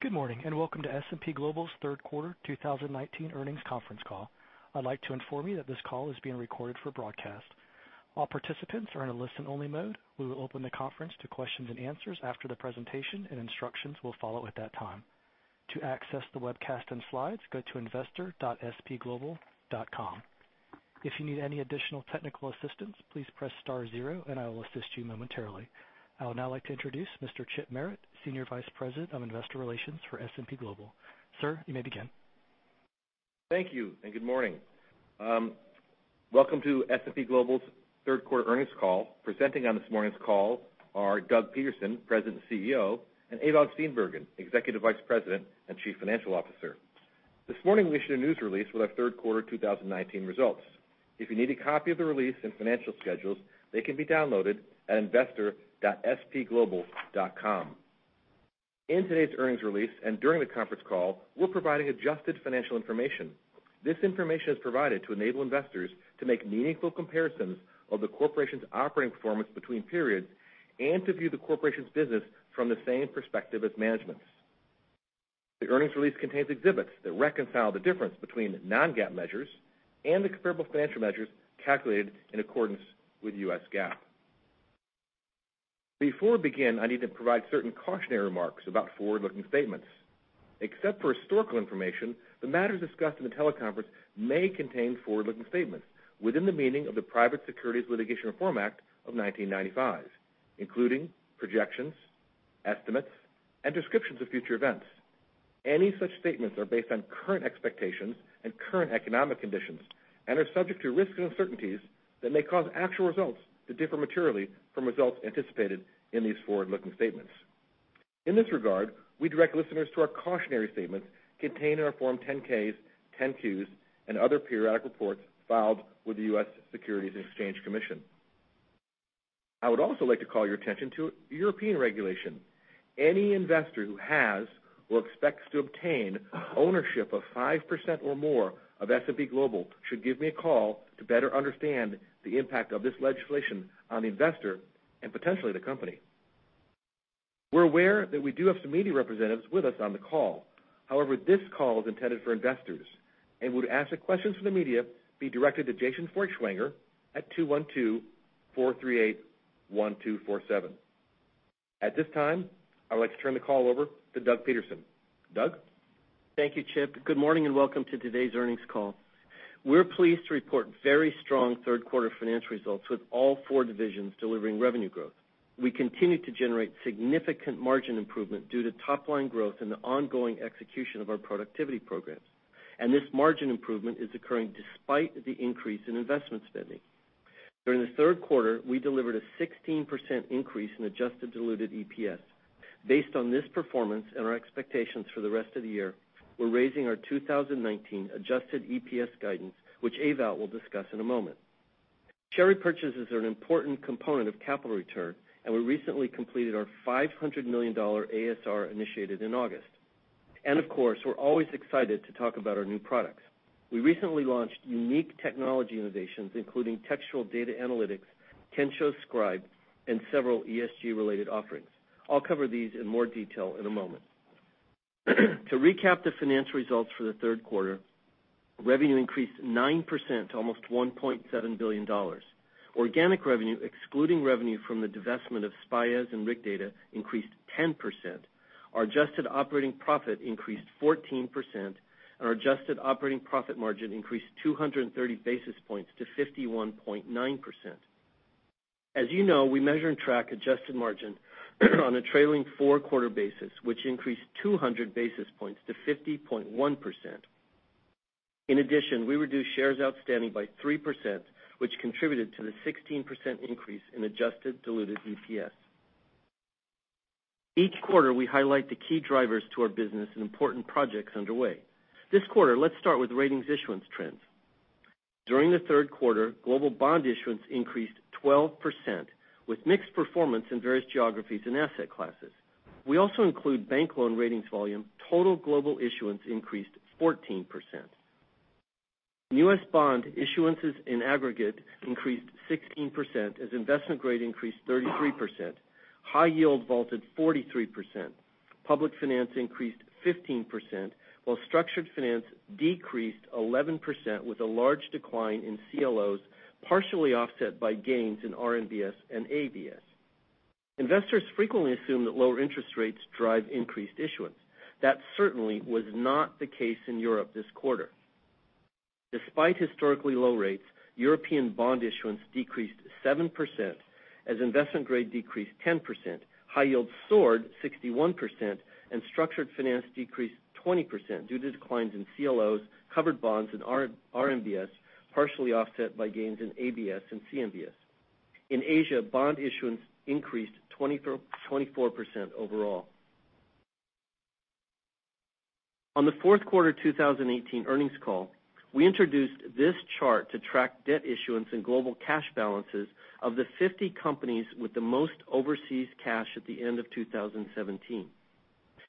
Good morning, and welcome to S&P Global's third quarter 2019 earnings conference call. I'd like to inform you that this call is being recorded for broadcast. All participants are in a listen-only mode. We will open the conference to questions and answers after the presentation, and instructions will follow at that time. To access the webcast and slides, go to investor.spglobal.com. If you need any additional technical assistance, please press star zero and I will assist you momentarily. I would now like to introduce Mr. Chip Merritt, Senior Vice President of Investor Relations for S&P Global. Sir, you may begin. Thank you, and good morning. Welcome to S&P Global's third-quarter earnings call. Presenting on this morning's call are Doug Peterson, President and CEO, and Ewout Steenbergen, Executive Vice President and Chief Financial Officer. This morning, we issued a news release with our third quarter 2019 results. If you need a copy of the release and financial schedules, they can be downloaded at investor.spglobal.com. In today's earnings release and during the conference call, we're providing adjusted financial information. This information is provided to enable investors to make meaningful comparisons of the corporation's operating performance between periods and to view the corporation's business from the same perspective as management's. The earnings release contains exhibits that reconcile the difference between non-GAAP measures and the comparable financial measures calculated in accordance with US GAAP. Before we begin, I need to provide certain cautionary remarks about forward-looking statements. Except for historical information, the matters discussed in the teleconference may contain forward-looking statements within the meaning of the Private Securities Litigation Reform Act of 1995, including projections, estimates, and descriptions of future events. Any such statements are based on current expectations and current economic conditions and are subject to risks and uncertainties that may cause actual results to differ materially from results anticipated in these forward-looking statements. In this regard, we direct listeners to our cautionary statements contained in our Form 10-Ks, 10-Qs, and other periodic reports filed with the U.S. Securities and Exchange Commission. I would also like to call your attention to European regulation. Any investor who has or expects to obtain ownership of 5% or more of S&P Global should give me a call to better understand the impact of this legislation on the investor and potentially the company. We're aware that we do have some media representatives with us on the call. However, this call is intended for investors, and would ask that questions from the media be directed to Jason Feuchtwanger at 212-438-1247. At this time, I would like to turn the call over to Doug Peterson. Doug? Thank you, Chip. Good morning, welcome to today's earnings call. We're pleased to report very strong third-quarter financial results, with all four divisions delivering revenue growth. We continue to generate significant margin improvement due to top-line growth and the ongoing execution of our productivity programs. This margin improvement is occurring despite the increase in investment spending. During the third quarter, we delivered a 16% increase in adjusted diluted EPS. Based on this performance and our expectations for the rest of the year, we're raising our 2019 adjusted EPS guidance, which Ewout will discuss in a moment. Share repurchases are an important component of capital return, and we recently completed our $500 million ASR initiated in August. Of course, we're always excited to talk about our new products. We recently launched unique technology innovations, including Textual Data Analytics, Kensho Scribe, and several ESG-related offerings. I'll cover these in more detail in a moment. To recap the financial results for the third quarter, revenue increased 9% to almost $1.7 billion. Organic revenue, excluding revenue from the divestment of SPIAs and RigData, increased 10%. Our adjusted operating profit increased 14%, and our adjusted operating profit margin increased 230 basis points to 51.9%. As you know, we measure and track adjusted margin on a trailing four quarter basis, which increased 200 basis points to 50.1%. In addition, we reduced shares outstanding by 3%, which contributed to the 16% increase in adjusted diluted EPS. Each quarter, we highlight the key drivers to our business and important projects underway. This quarter, let's start with ratings issuance trends. During the third quarter, global bond issuance increased 12%, with mixed performance in various geographies and asset classes. We also include bank loan ratings volume. Total global issuance increased 14%. U.S. bond issuances in aggregate increased 16% as investment grade increased 33%, high yield vaulted 43%, public finance increased 15%, while structured finance decreased 11% with a large decline in CLOs, partially offset by gains in RMBS and ABS. Investors frequently assume that lower interest rates drive increased issuance. That certainly was not the case in Europe this quarter. Despite historically low rates, European bond issuance decreased 7% as investment grade decreased 10%, high yield soared 61%, and structured finance decreased 20% due to declines in CLOs, covered bonds, and RMBS, partially offset by gains in ABS and CMBS. In Asia, bond issuance increased 24% overall. On the fourth quarter 2018 earnings call, we introduced this chart to track debt issuance and global cash balances of the 50 companies with the most overseas cash at the end of 2017.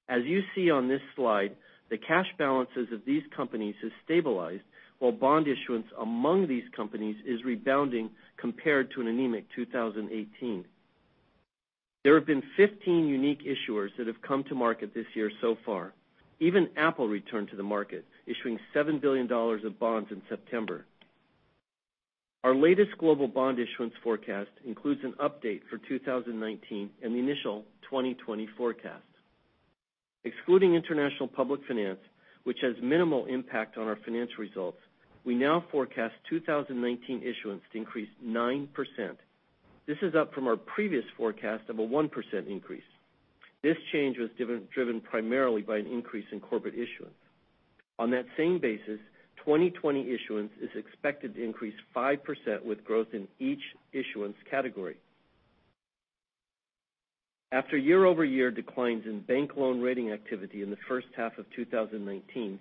As you see on this slide, the cash balances of these companies have stabilized while bond issuance among these companies is rebounding compared to an anemic 2018. There have been 15 unique issuers that have come to market this year so far. Even Apple returned to the market, issuing $7 billion of bonds in September. Our latest global bond issuance forecast includes an update for 2019 and the initial 2020 forecast. Excluding international public finance, which has minimal impact on our financial results, we now forecast 2019 issuance to increase 9%. This is up from our previous forecast of a 1% increase. This change was driven primarily by an increase in corporate issuance. On that same basis, 2020 issuance is expected to increase 5% with growth in each issuance category. After year-over-year declines in bank loan rating activity in the first half of 2019,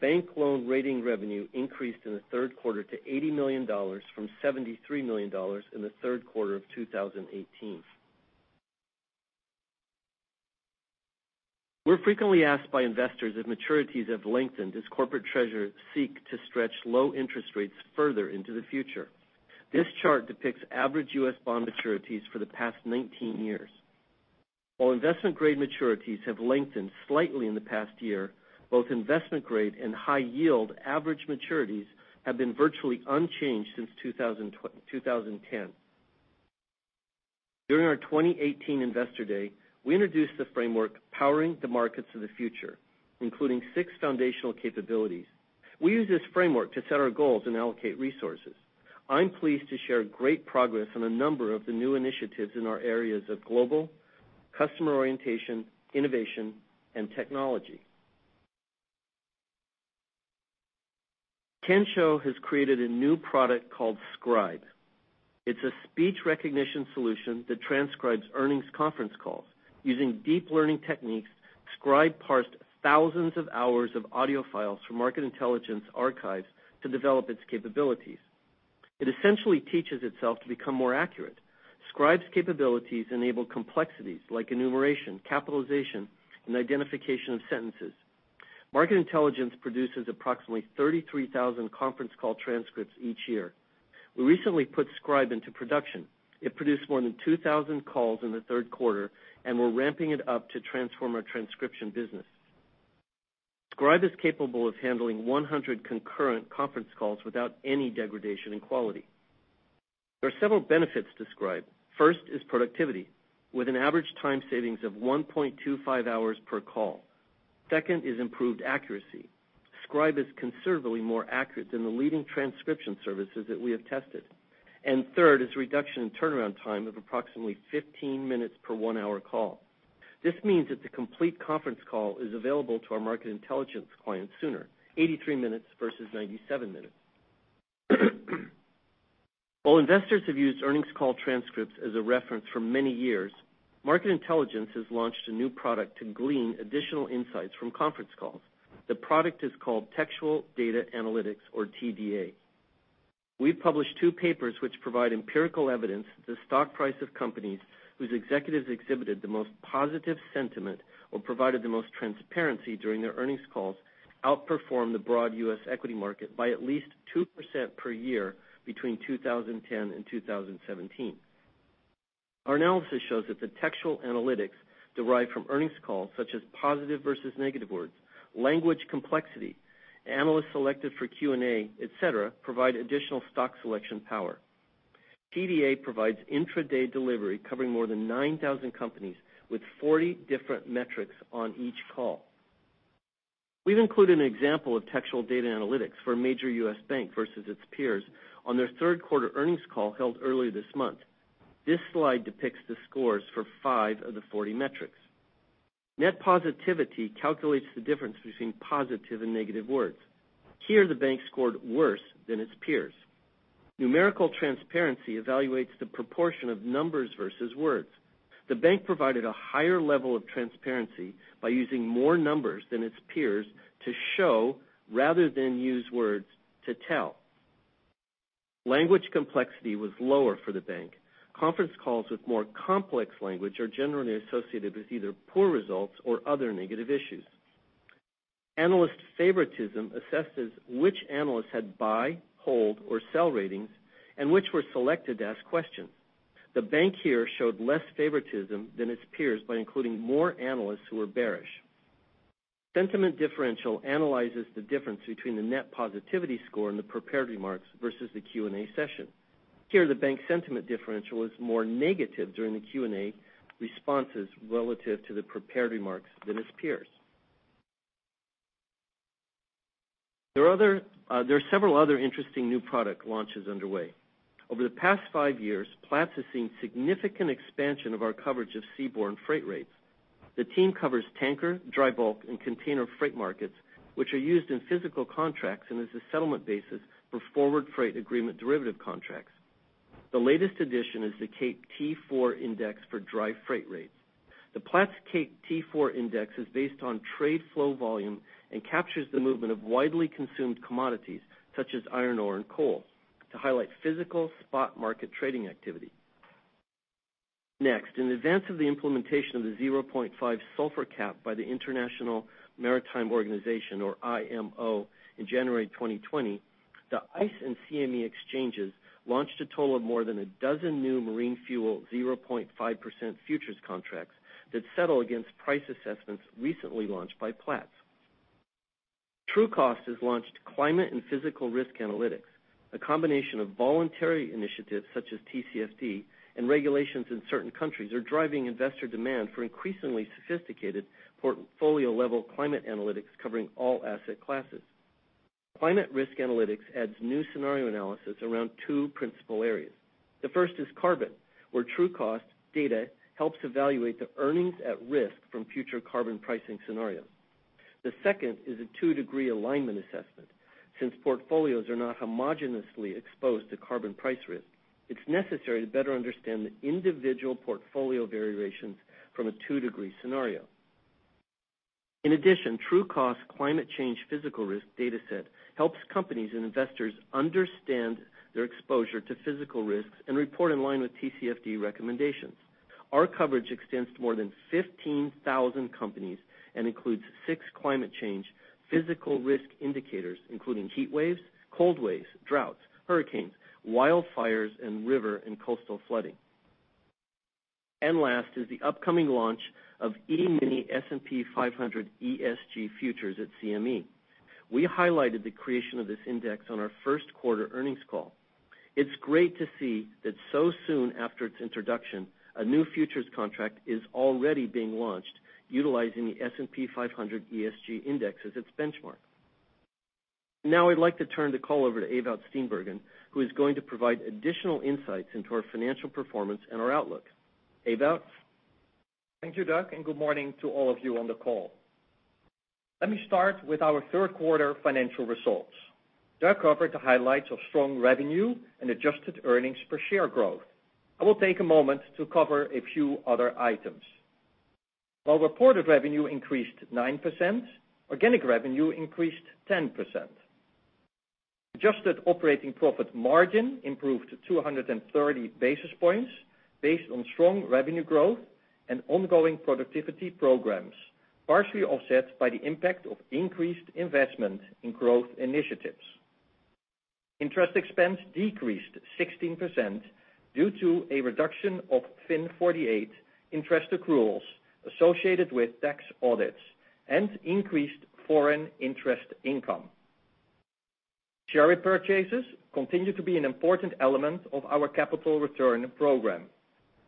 bank loan rating revenue increased in the third quarter to $80 million from $73 million in the third quarter of 2018. We're frequently asked by investors if maturities have lengthened as corporate treasurers seek to stretch low interest rates further into the future. This chart depicts average U.S. bond maturities for the past 19 years. While investment-grade maturities have lengthened slightly in the past year, both investment-grade and high-yield average maturities have been virtually unchanged since 2010. During our 2018 Investor Day, we introduced the framework, Powering the Markets of the Future, including six foundational capabilities. We use this framework to set our goals and allocate resources. I'm pleased to share great progress on a number of the new initiatives in our areas of global, customer orientation, innovation, and technology. Kensho has created a new product called Scribe. It's a speech recognition solution that transcribes earnings conference calls. Using deep learning techniques, Scribe parsed thousands of hours of audio files from Market Intelligence archives to develop its capabilities. It essentially teaches itself to become more accurate. Scribe's capabilities enable complexities like enumeration, capitalization, and identification of sentences. Market Intelligence produces approximately 33,000 conference call transcripts each year. We recently put Scribe into production. It produced more than 2,000 calls in the third quarter, and we're ramping it up to transform our transcription business. Scribe is capable of handling 100 concurrent conference calls without any degradation in quality. There are several benefits to Scribe. First is productivity, with an average time savings of 1.25 hours per call. Second is improved accuracy. Scribe is considerably more accurate than the leading transcription services that we have tested. Third is reduction in turnaround time of approximately 15 minutes per one-hour call. This means that the complete conference call is available to our Market Intelligence clients sooner, 83 minutes versus 97 minutes. While investors have used earnings call transcripts as a reference for many years, Market Intelligence has launched a new product to glean additional insights from conference calls. The product is called Textual Data Analytics or TDA. We've published two papers which provide empirical evidence that the stock price of companies whose executives exhibited the most positive sentiment or provided the most transparency during their earnings calls outperformed the broad U.S. equity market by at least 2% per year between 2010 and 2017. Our analysis shows that the textual analytics derived from earnings calls, such as positive versus negative words, language complexity, analysts selected for Q&A, etc, provide additional stock selection power. TDA provides intraday delivery covering more than 9,000 companies with 40 different metrics on each call. We've included an example of Textual Data Analytics for a major U.S. bank versus its peers on their third quarter earnings call held earlier this month. This slide depicts the scores for five of the 40 metrics. Net positivity calculates the difference between positive and negative words. Here, the bank scored worse than its peers. Numerical transparency evaluates the proportion of numbers versus words. The bank provided a higher level of transparency by using more numbers than its peers to show rather than use words to tell. Language complexity was lower for the bank. Conference calls with more complex language are generally associated with either poor results or other negative issues. Analyst favoritism assesses which analysts had buy, hold, or sell ratings and which were selected to ask questions. The bank here showed less favoritism than its peers by including more analysts who were bearish. Sentiment differential analyzes the difference between the net positivity score and the prepared remarks versus the Q&A session. Here, the bank sentiment differential is more negative during the Q&A responses relative to the prepared remarks than its peers. There are several other interesting new product launches underway. Over the past five years, Platts has seen significant expansion of our coverage of seaborne freight rates. The team covers tanker, dry bulk, and container freight markets, which are used in physical contracts and as a settlement basis for forward freight agreement derivative contracts. The latest addition is the Cape T4 index for dry freight rates. The Platts Cape T4 index is based on trade flow volume and captures the movement of widely consumed commodities such as iron ore and coal to highlight physical spot market trading activity. Next, in advance of the implementation of the 0.5 sulfur cap by the International Maritime Organization, or IMO, in January 2020. The ICE and CME exchanges launched a total of more than a dozen new marine fuel 0.5% futures contracts that settle against price assessments recently launched by Platts. Trucost has launched Climate and Physical Risk Analytics, a combination of voluntary initiatives such as TCFD and regulations in certain countries are driving investor demand for increasingly sophisticated portfolio-level climate analytics covering all asset classes. Climate Risk Analytics adds new scenario analysis around two principal areas. The first is carbon, where Trucost data helps evaluate the earnings at risk from future carbon pricing scenarios. The second is a two-degree alignment assessment. Since portfolios are not homogeneously exposed to carbon price risk, it's necessary to better understand the individual portfolio variations from a two-degree scenario. In addition, Trucost climate change physical risk dataset helps companies and investors understand their exposure to physical risks and report in line with TCFD recommendations. Our coverage extends to more than 15,000 companies and includes six climate change physical risk indicators, including heat waves, cold waves, droughts, hurricanes, wildfires, and river and coastal flooding. Last is the upcoming launch of E-mini S&P 500 ESG futures at CME. We highlighted the creation of this index on our first quarter earnings call. It's great to see that so soon after its introduction, a new futures contract is already being launched utilizing the S&P 500 ESG Index as its benchmark. Now I'd like to turn the call over to Ewout Steenbergen, who is going to provide additional insights into our financial performance and our outlook. Ewout? Thank you, Doug. Good morning to all of you on the call. Let me start with our third quarter financial results. Doug covered the highlights of strong revenue and adjusted earnings per share growth. I will take a moment to cover a few other items. While reported revenue increased 9%, organic revenue increased 10%. Adjusted operating profit margin improved 230 basis points based on strong revenue growth and ongoing productivity programs, partially offset by the impact of increased investment in growth initiatives. Interest expense decreased 16% due to a reduction of FIN 48 interest accruals associated with tax audits and increased foreign interest income. Share repurchases continue to be an important element of our capital return program.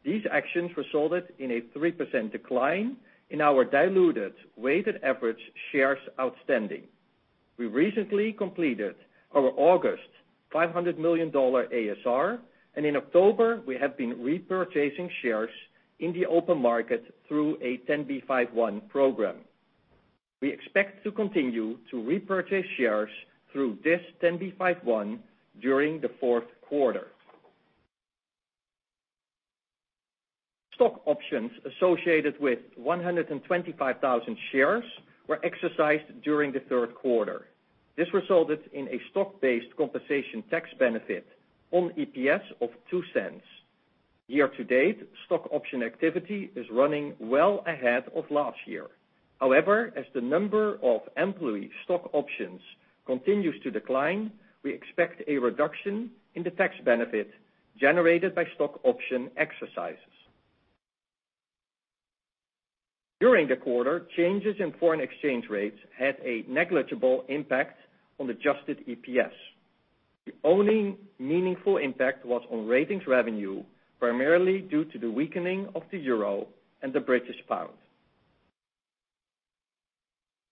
These actions resulted in a 3% decline in our diluted weighted average shares outstanding. We recently completed our August $500 million ASR. In October, we have been repurchasing shares in the open market through a 10b5-1 program. We expect to continue to repurchase shares through this 10b5-1 during the fourth quarter. Stock options associated with 125,000 shares were exercised during the third quarter. This resulted in a stock-based compensation tax benefit on EPS of $0.02. Year-to-date, stock option activity is running well ahead of last year. However, as the number of employee stock options continues to decline, we expect a reduction in the tax benefit generated by stock option exercises. During the quarter, changes in foreign exchange rates had a negligible impact on adjusted EPS. The only meaningful impact was on ratings revenue, primarily due to the weakening of the euro and the British pound.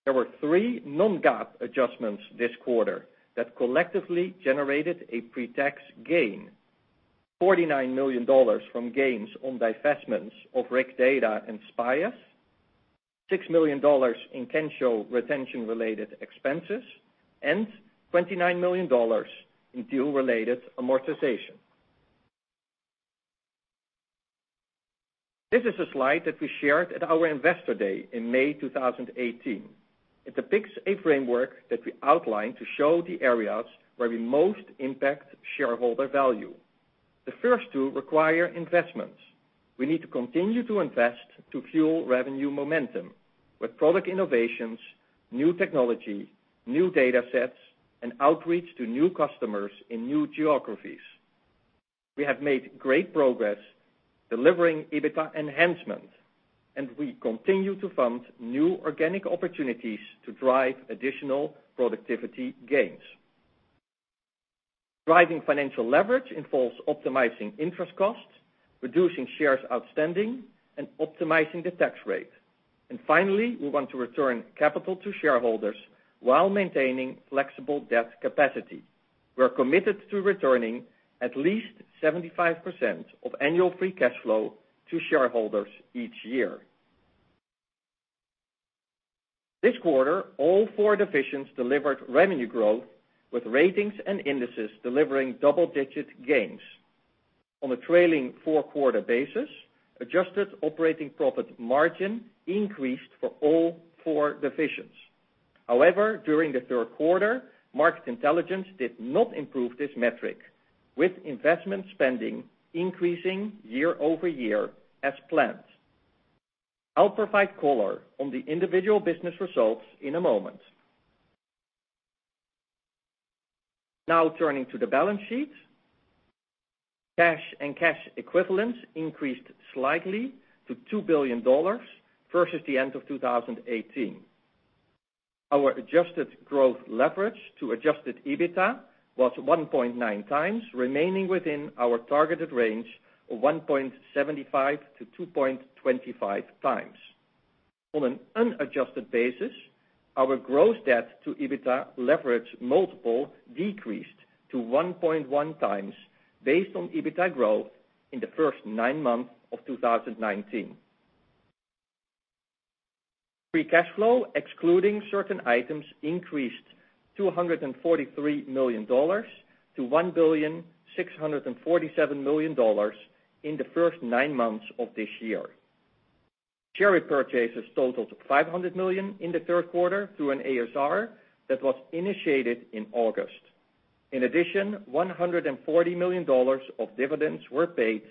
There were three non-GAAP adjustments this quarter that collectively generated a pre-tax gain. $49 million from gains on divestments of RigData and SPIAs, $6 million in Kensho retention-related expenses, and $29 million in deal-related amortization. This is a slide that we shared at our Investor Day in May 2018. It depicts a framework that we outlined to show the areas where we most impact shareholder value. The first two require investments. We need to continue to invest to fuel revenue momentum with product innovations, new technology, new datasets, and outreach to new customers in new geographies. We have made great progress delivering EBITDA enhancement, and we continue to fund new organic opportunities to drive additional productivity gains. Driving financial leverage involves optimizing interest costs, reducing shares outstanding, and optimizing the tax rate. Finally, we want to return capital to shareholders while maintaining flexible debt capacity. We are committed to returning at least 75% of annual free cash flow to shareholders each year. This quarter, all four divisions delivered revenue growth, with Ratings and Indices delivering double-digit gains. On a trailing four-quarter basis, adjusted operating profit margin increased for all four divisions. During the third quarter, Market Intelligence did not improve this metric, with investment spending increasing year-over-year as planned. I'll provide color on the individual business results in a moment. Turning to the balance sheet. Cash and cash equivalents increased slightly to $2 billion versus the end of 2018. Our adjusted growth leverage to adjusted EBITA was 1.9x, remaining within our targeted range of 1.75x-2.25x. On an unadjusted basis, our gross debt to EBITA leverage multiple decreased to 1.1x based on EBITA growth in the first nine months of 2019. Free cash flow, excluding certain items, increased $243 million to $1,647 million in the first nine months of this year. Share repurchases totaled $500 million in the third quarter through an ASR that was initiated in August. In addition, $140 million of dividends were paid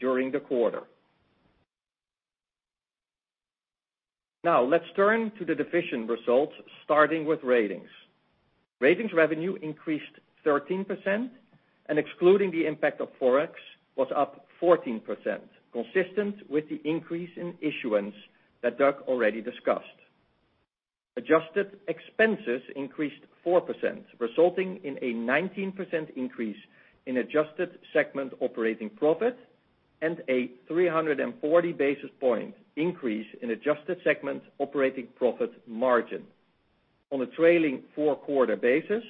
during the quarter. Let's turn to the division results, starting with Ratings. Ratings revenue increased 13% and excluding the impact of Forex, was up 14%, consistent with the increase in issuance that Doug already discussed. Adjusted expenses increased 4%, resulting in a 19% increase in adjusted segment operating profit and a 340 basis point increase in adjusted segment operating profit margin. On a trailing four-quarter basis,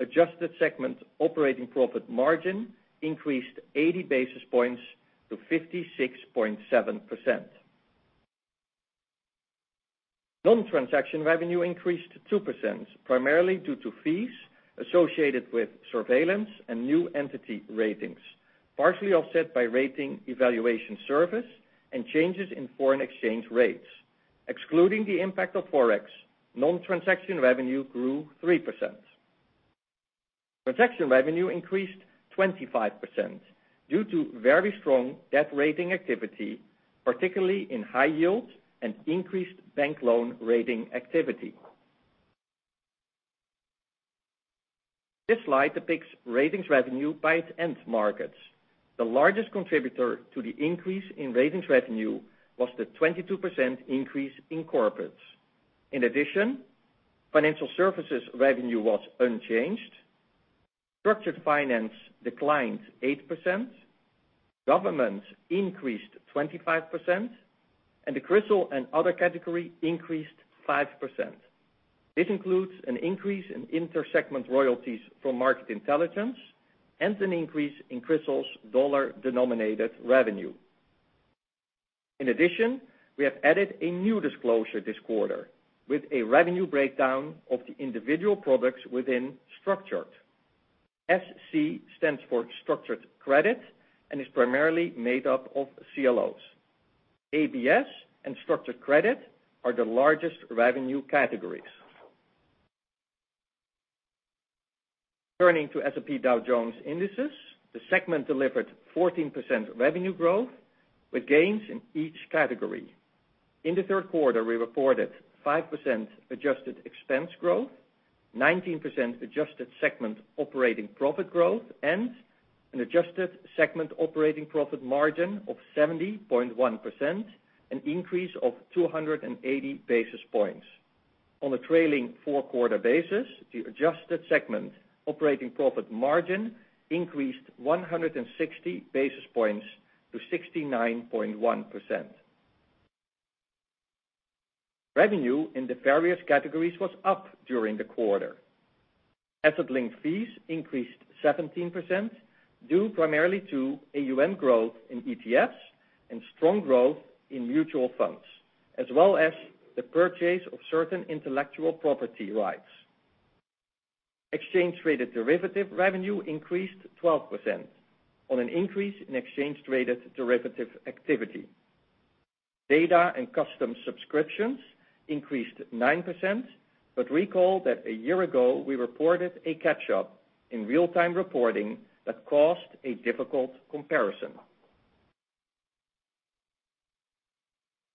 adjusted segment operating profit margin increased 80 basis points to 56.7%. Non-transaction revenue increased 2%, primarily due to fees associated with surveillance and new entity ratings, partially offset by rating evaluation service and changes in foreign exchange rates. Excluding the impact of Forex, non-transaction revenue grew 3%. Transaction revenue increased 25% due to very strong debt rating activity, particularly in high yield and increased bank loan rating activity. This slide depicts ratings revenue by its end markets. The largest contributor to the increase in ratings revenue was the 22% increase in corporates. Financial services revenue was unchanged. Structured Finance declined 8%, government increased 25%, and the CRISIL and other category increased 5%. This includes an increase in inter-segment royalties from Market Intelligence and an increase in CRISIL's dollar-denominated revenue. We have added a new disclosure this quarter with a revenue breakdown of the individual products within Structured. SC stands for structured credit and is primarily made up of CLOs. ABS and structured credit are the largest revenue categories. Turning to S&P Dow Jones Indices, the segment delivered 14% revenue growth with gains in each category. In the third quarter, we reported 5% adjusted expense growth, 19% adjusted segment operating profit growth, and an adjusted segment operating profit margin of 70.1%, an increase of 280 basis points. On a trailing four-quarter basis, the adjusted segment operating profit margin increased 160 basis points to 69.1%. Revenue in the various categories was up during the quarter. Asset-linked fees increased 17%, due primarily to AUM growth in ETFs and strong growth in mutual funds, as well as the purchase of certain intellectual property rights. Exchange-traded derivative revenue increased 12% on an increase in exchange-traded derivative activity. Data and custom subscriptions increased 9%, but recall that a year ago, we reported a catch-up in real-time reporting that caused a difficult comparison.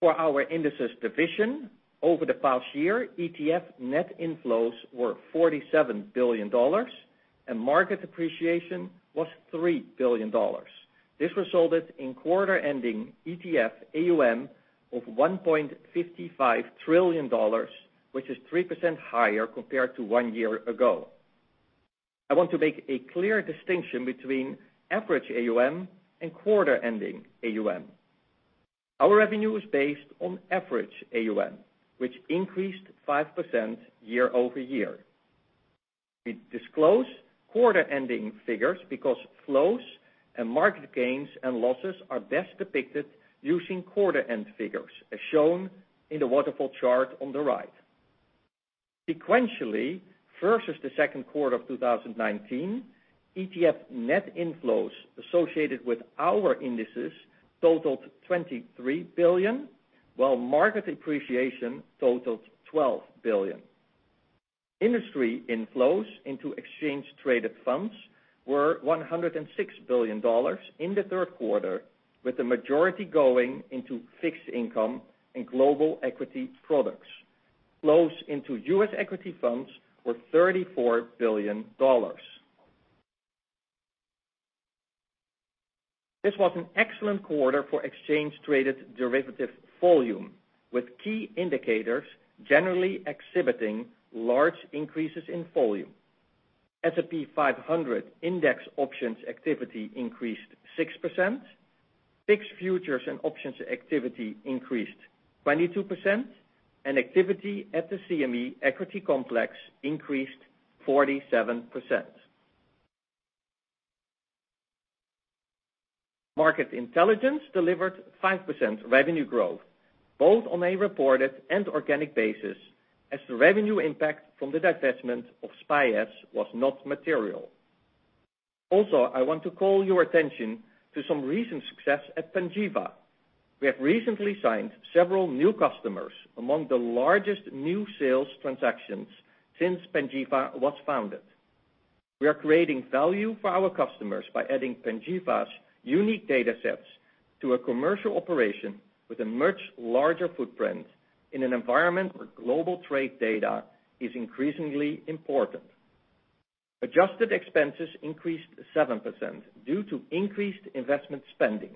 For our indices division, over the past year, ETF net inflows were $47 billion and market appreciation was $3 billion. This resulted in quarter-ending ETF AUM of $1.55 trillion, which is 3% higher compared to one year ago. I want to make a clear distinction between average AUM and quarter-ending AUM. Our revenue is based on average AUM, which increased 5% year-over-year. We disclose quarter-ending figures because flows and market gains and losses are best depicted using quarter-end figures, as shown in the waterfall chart on the right. Sequentially, versus the second quarter of 2019, ETF net inflows associated with our indices totaled $23 billion, while market appreciation totaled $12 billion. Industry inflows into exchange-traded funds were $106 billion in the third quarter, with the majority going into fixed income and global equity products. Flows into U.S. equity funds were $34 billion. This was an excellent quarter for exchange-traded derivative volume, with key indicators generally exhibiting large increases in volume. S&P 500 index options activity increased 6%, fixed futures and options activity increased 22%. Activity at the CME equity complex increased 47%. Market Intelligence delivered 5% revenue growth, both on a reported and organic basis, as the revenue impact from the divestment of SPIAs was not material. Also, I want to call your attention to some recent success at Panjiva. We have recently signed several new customers, among the largest new sales transactions since Panjiva was founded. We are creating value for our customers by adding Panjiva's unique data sets to a commercial operation with a much larger footprint in an environment where global trade data is increasingly important. Adjusted expenses increased 7% due to increased investment spending.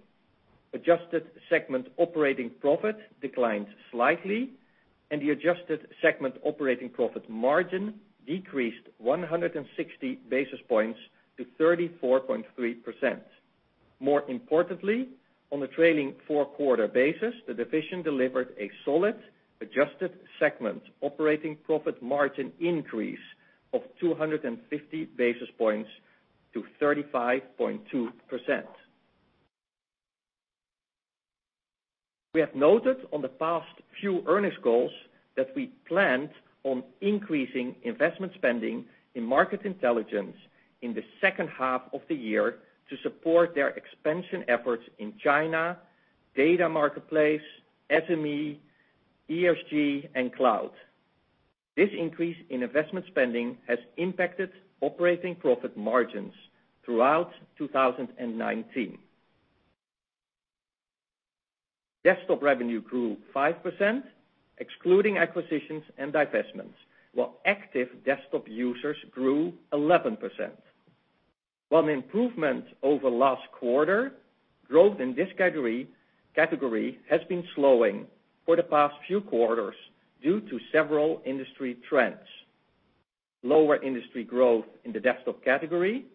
Adjusted segment operating profit declined slightly. The adjusted segment operating profit margin decreased 160 basis points to 34.3%. More importantly, on the trailing four-quarter basis, the division delivered a solid adjusted segment operating profit margin increase of 250 basis points to 35.2%. We have noted on the past few earnings calls that we planned on increasing investment spending in Market Intelligence in the second half of the year to support their expansion efforts in China, data marketplace, SME, ESG, and cloud. This increase in investment spending has impacted operating profit margins throughout 2019. Desktop revenue grew 5%, excluding acquisitions and divestments, while active desktop users grew 11%. While an improvement over last quarter, growth in this category has been slowing for the past few quarters due to several industry trends. Lower industry growth in the desktop category,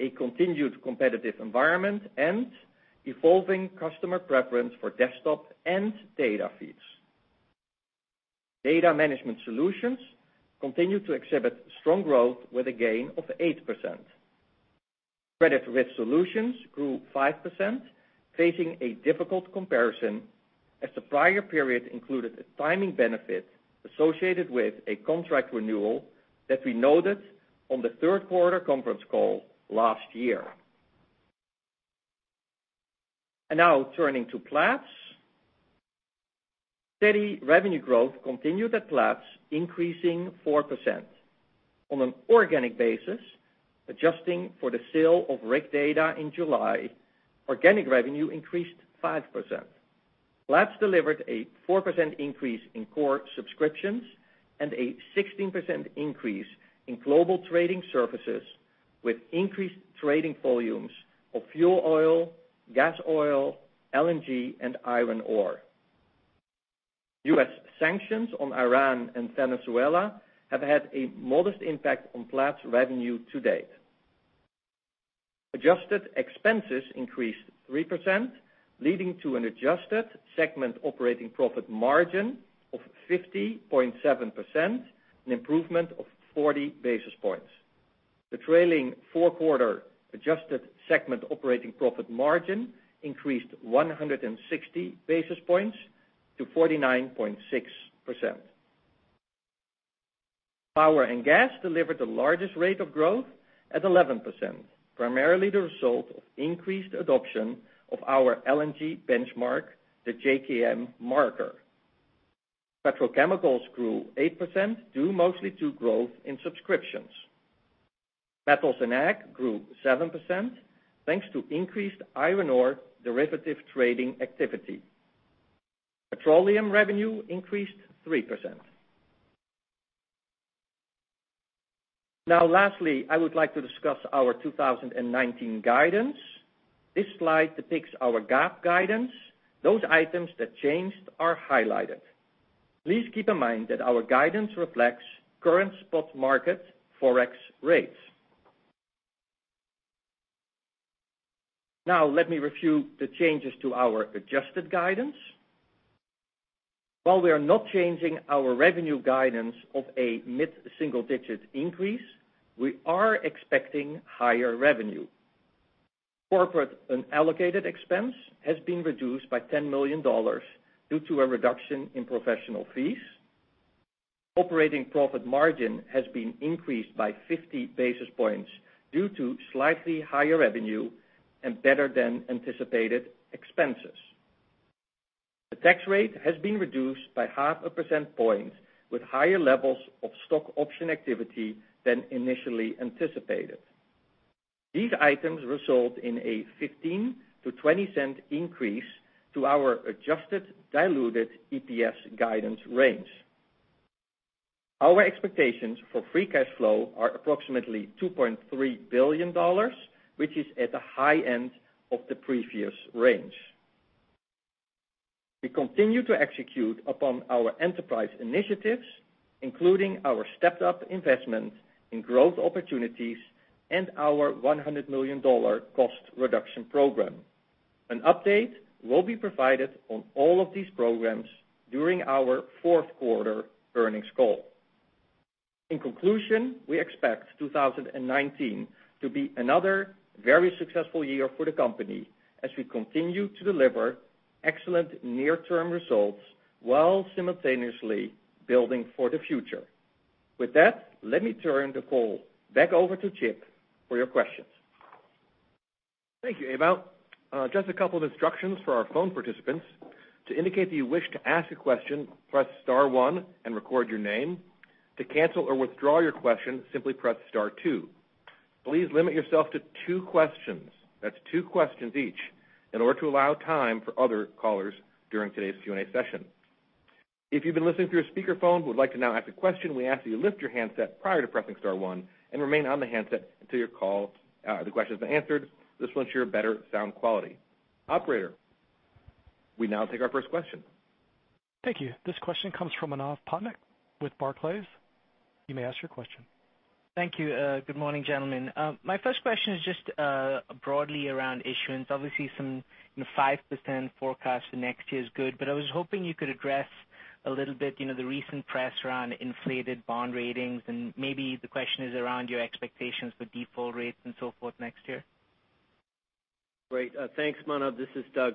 a continued competitive environment, and evolving customer preference for desktop and data feeds. Data management solutions continue to exhibit strong growth with a gain of 8%. Credit risk solutions grew 5%, facing a difficult comparison as the prior period included a timing benefit associated with a contract renewal that we noted on the third quarter conference call last year. Now turning to Platts. Steady revenue growth continued at Platts, increasing 4%. On an organic basis, adjusting for the sale of RigData in July, organic revenue increased 5%. Platts delivered a 4% increase in core subscriptions and a 16% increase in global trading services, with increased trading volumes of fuel oil, gas oil, LNG, and iron ore. U.S. sanctions on Iran and Venezuela have had a modest impact on Platts' revenue to date. Adjusted expenses increased 3%, leading to an adjusted segment operating profit margin of 50.7%, an improvement of 40 basis points. The trailing four-quarter adjusted segment operating profit margin increased 160 basis points to 49.6%. Power and gas delivered the largest rate of growth at 11%, primarily the result of increased adoption of our LNG benchmark, the JKM marker. Petrochemicals grew 8%, due mostly to growth in subscriptions. Metals and ag grew 7%, thanks to increased iron ore derivative trading activity. Petroleum revenue increased 3%. Now, lastly, I would like to discuss our 2019 guidance. This slide depicts our GAAP guidance. Those items that changed are highlighted. Please keep in mind that our guidance reflects current spot market Forex rates. Let me review the changes to our adjusted guidance. While we are not changing our revenue guidance of a mid-single-digit increase, we are expecting higher revenue. Corporate unallocated expense has been reduced by $10 million due to a reduction in professional fees. Operating profit margin has been increased by 50 basis points due to slightly higher revenue and better than anticipated expenses. The tax rate has been reduced by 0.5% Point with higher levels of stock option activity than initially anticipated. These items result in a $0.15-$0.20 increase to our adjusted diluted EPS guidance range. Our expectations for free cash flow are approximately $2.3 billion, which is at the high end of the previous range. We continue to execute upon our enterprise initiatives, including our stepped-up investment in growth opportunities and our $100 million cost reduction program. An update will be provided on all of these programs during our fourth quarter earnings call. In conclusion, we expect 2019 to be another very successful year for the company as we continue to deliver excellent near-term results while simultaneously building for the future. With that, let me turn the call back over to Chip for your questions. Thank you, Ewout. Just a couple of instructions for our phone participants. To indicate that you wish to ask a question, press star one and record your name. To cancel or withdraw your question, simply press star two. Please limit yourself to two questions. That's two questions each in order to allow time for other callers during today's Q&A session. If you've been listening through a speakerphone and would like to now ask a question, we ask that you lift your handset prior to pressing star one and remain on the handset until the question has been answered. This will ensure better sound quality. Operator, we now take our first question. Thank you. This question comes from Manav Patnaik with Barclays. You may ask your question. Thank you. Good morning, gentlemen. My first question is just broadly around issuance. Obviously, some 5% forecast for next year is good, but I was hoping you could address a little bit the recent press around inflated bond ratings, and maybe the question is around your expectations for default rates and so forth next year. Great. Thanks, Manav. This is Doug.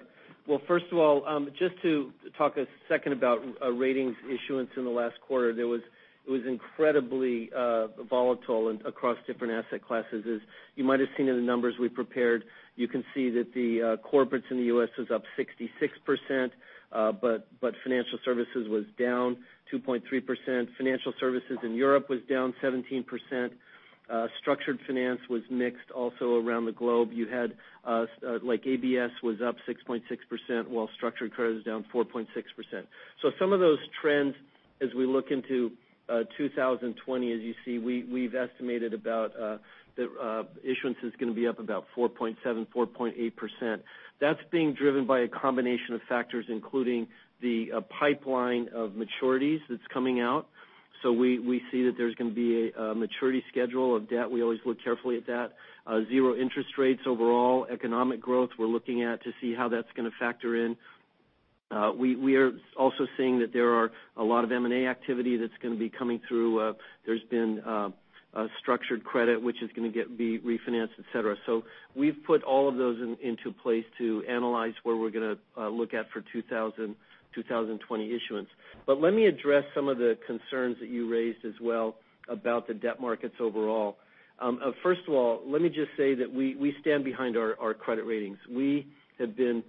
First of all, just to talk a second about ratings issuance in the last quarter. It was incredibly volatile across different asset classes. As you might have seen in the numbers we prepared, you can see that the corporates in the U.S. was up 66%. Financial services was down 2.3%. Financial services in Europe was down 17%. Structured finance was mixed also around the globe. You had ABS was up 6.6% while structured credit was down 4.6%. Some of those trends as we look into 2020, as you see, we've estimated about the issuance is going to be up about 4.7%-4.8%. That's being driven by a combination of factors, including the pipeline of maturities that's coming out. We see that there's going to be a maturity schedule of debt. We always look carefully at that. Zero interest rates overall, economic growth we're looking at to see how that's going to factor in. We are also seeing that there are a lot of M&A activity that's going to be coming through. There's been a structured credit which is going to get refinanced, etc. We've put all of those into place to analyze where we're going to look at for 2020 issuance. Let me address some of the concerns that you raised as well about the debt markets overall. First of all, let me just say that we stand behind our credit ratings. We have been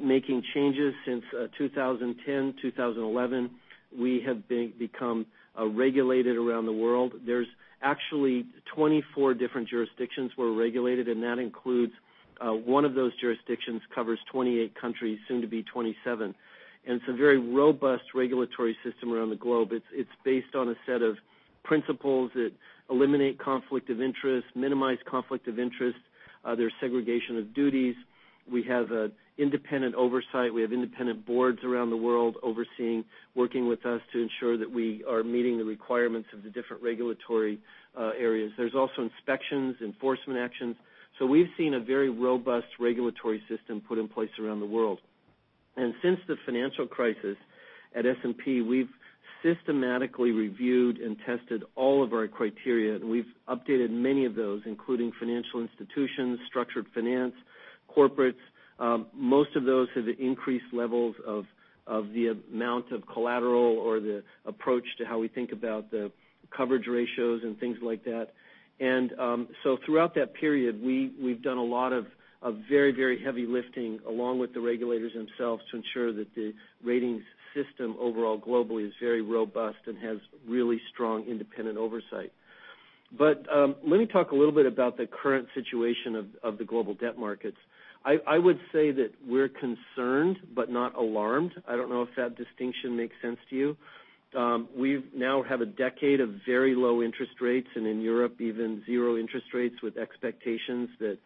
making changes since 2010, 2011. We have become regulated around the world. There's actually 24 different jurisdictions we're regulated, and that includes one of those jurisdictions covers 28 countries, soon to be 27. It's a very robust regulatory system around the globe. It's based on a set of principles that eliminate conflict of interest, minimize conflict of interest. There's segregation of duties. We have independent oversight. We have independent boards around the world overseeing, working with us to ensure that we are meeting the requirements of the different regulatory areas. There's also inspections, enforcement actions. We've seen a very robust regulatory system put in place around the world. Since the financial crisis at S&P, we've systematically reviewed and tested all of our criteria, and we've updated many of those, including financial institutions, structured finance, corporates. Most of those have increased levels of the amount of collateral or the approach to how we think about the coverage ratios and things like that. Throughout that period, we've done a lot of very heavy lifting along with the regulators themselves to ensure that the ratings system overall globally is very robust and has really strong independent oversight. Let me talk a little bit about the current situation of the global debt markets. I would say that we're concerned but not alarmed. I don't know if that distinction makes sense to you. We now have a 10 years of very low interest rates, and in Europe, even zero interest rates with expectations that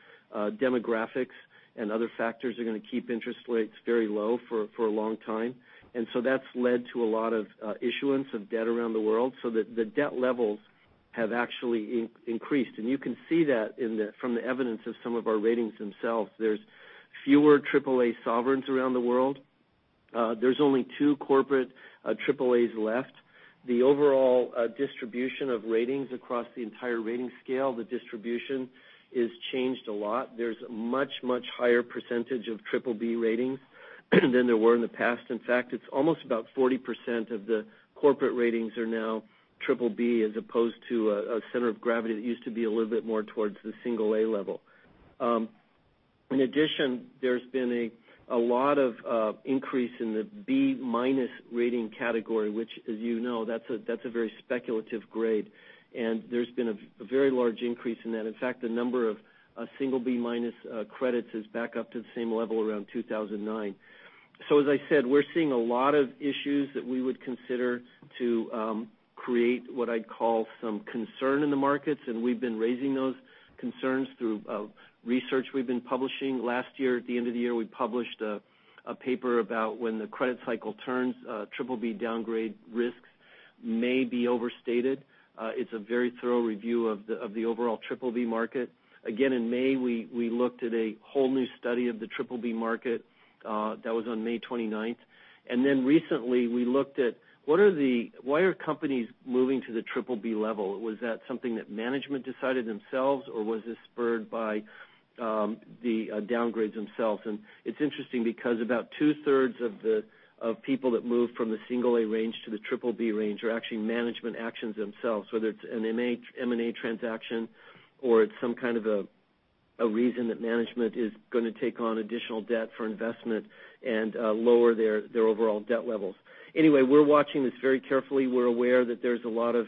demographics and other factors are going to keep interest rates very low for a long time. That's led to a lot of issuance of debt around the world so that the debt levels have actually increased. You can see that from the evidence of some of our ratings themselves. There's fewer AAA sovereigns around the world. There's only two corporate AAAs left. The overall distribution of ratings across the entire rating scale, the distribution has changed a lot. There's a much higher percentage of BBB ratings than there were in the past. In fact, it's almost about 40% of the corporate ratings are now BBB as opposed to a center of gravity that used to be a little bit more towards the single A level. There's been a lot of increase in the B- rating category, which, as you know, that's a very speculative grade. There's been a very large increase in that. In fact, the number of single B- credits is back up to the same level around 2009. As I said, we're seeing a lot of issues that we would consider to create what I'd call some concern in the markets, and we've been raising those concerns through research we've been publishing. Last year, at the end of the year, we published a paper about when the credit cycle turns BBB downgrade risks may be overstated. It's a very thorough review of the overall BBB market. Again, in May, we looked at a whole new study of the BBB market. That was on May 29th. Recently, we looked at why are companies moving to the BBB level? Was that something that management decided themselves, or was this spurred by the downgrades themselves? It's interesting because about 2/3 of people that move from the single A range to the BBB range are actually management actions themselves, whether it's an M&A transaction or it's some kind of a reason that management is going to take on additional debt for investment and lower their overall debt levels. Anyway, we're watching this very carefully. We're aware that there's a lot of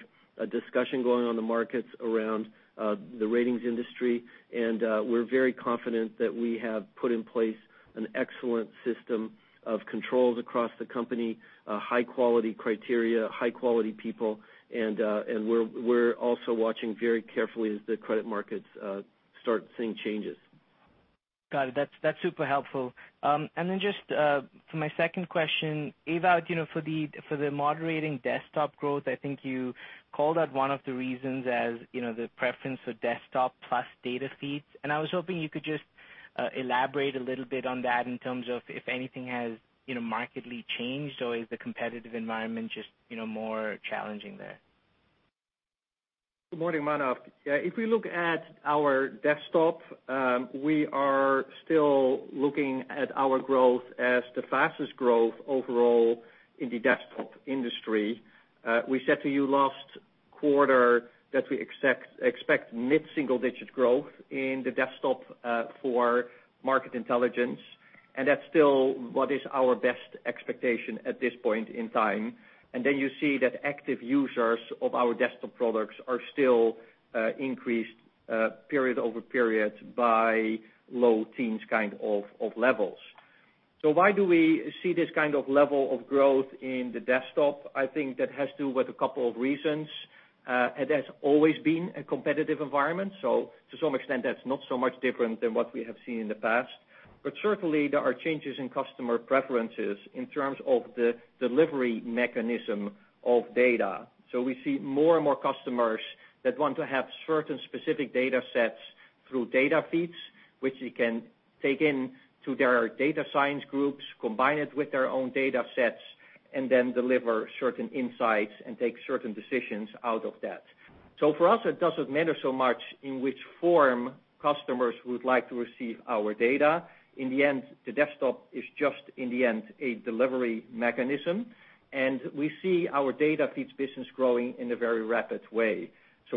discussion going on the markets around the ratings industry, and we're very confident that we have put in place an excellent system of controls across the company, high-quality criteria, high-quality people, and we're also watching very carefully as the credit markets start seeing changes. Got it. That's super helpful. Then just for my second question, Ewout, for the moderating desktop growth, I think you called out one of the reasons as the preference for desktop plus data feeds. I was hoping you could just elaborate a little bit on that in terms of if anything has markedly changed, or is the competitive environment just more challenging there? Good morning, Manav. If we look at our desktop, we are still looking at our growth as the fastest growth overall in the desktop industry. We said to you last quarter that we expect mid-single-digit growth in the desktop for Market Intelligence, and that's still what is our best expectation at this point in time. You see that active users of our desktop products are still increased period-over-period by low teens kind of levels. Why do we see this kind of level of growth in the desktop? I think that has to do with a couple of reasons. It has always been a competitive environment, so to some extent that's not so much different than what we have seen in the past. Certainly, there are changes in customer preferences in terms of the delivery mechanism of data. We see more and more customers that want to have certain specific data sets through data feeds, which they can take into their data science groups, combine it with their own data sets, and then deliver certain insights and take certain decisions out of that. For us, it doesn't matter so much in which form customers would like to receive our data. In the end, the desktop is just, in the end, a delivery mechanism, and we see our data feeds business growing in a very rapid way.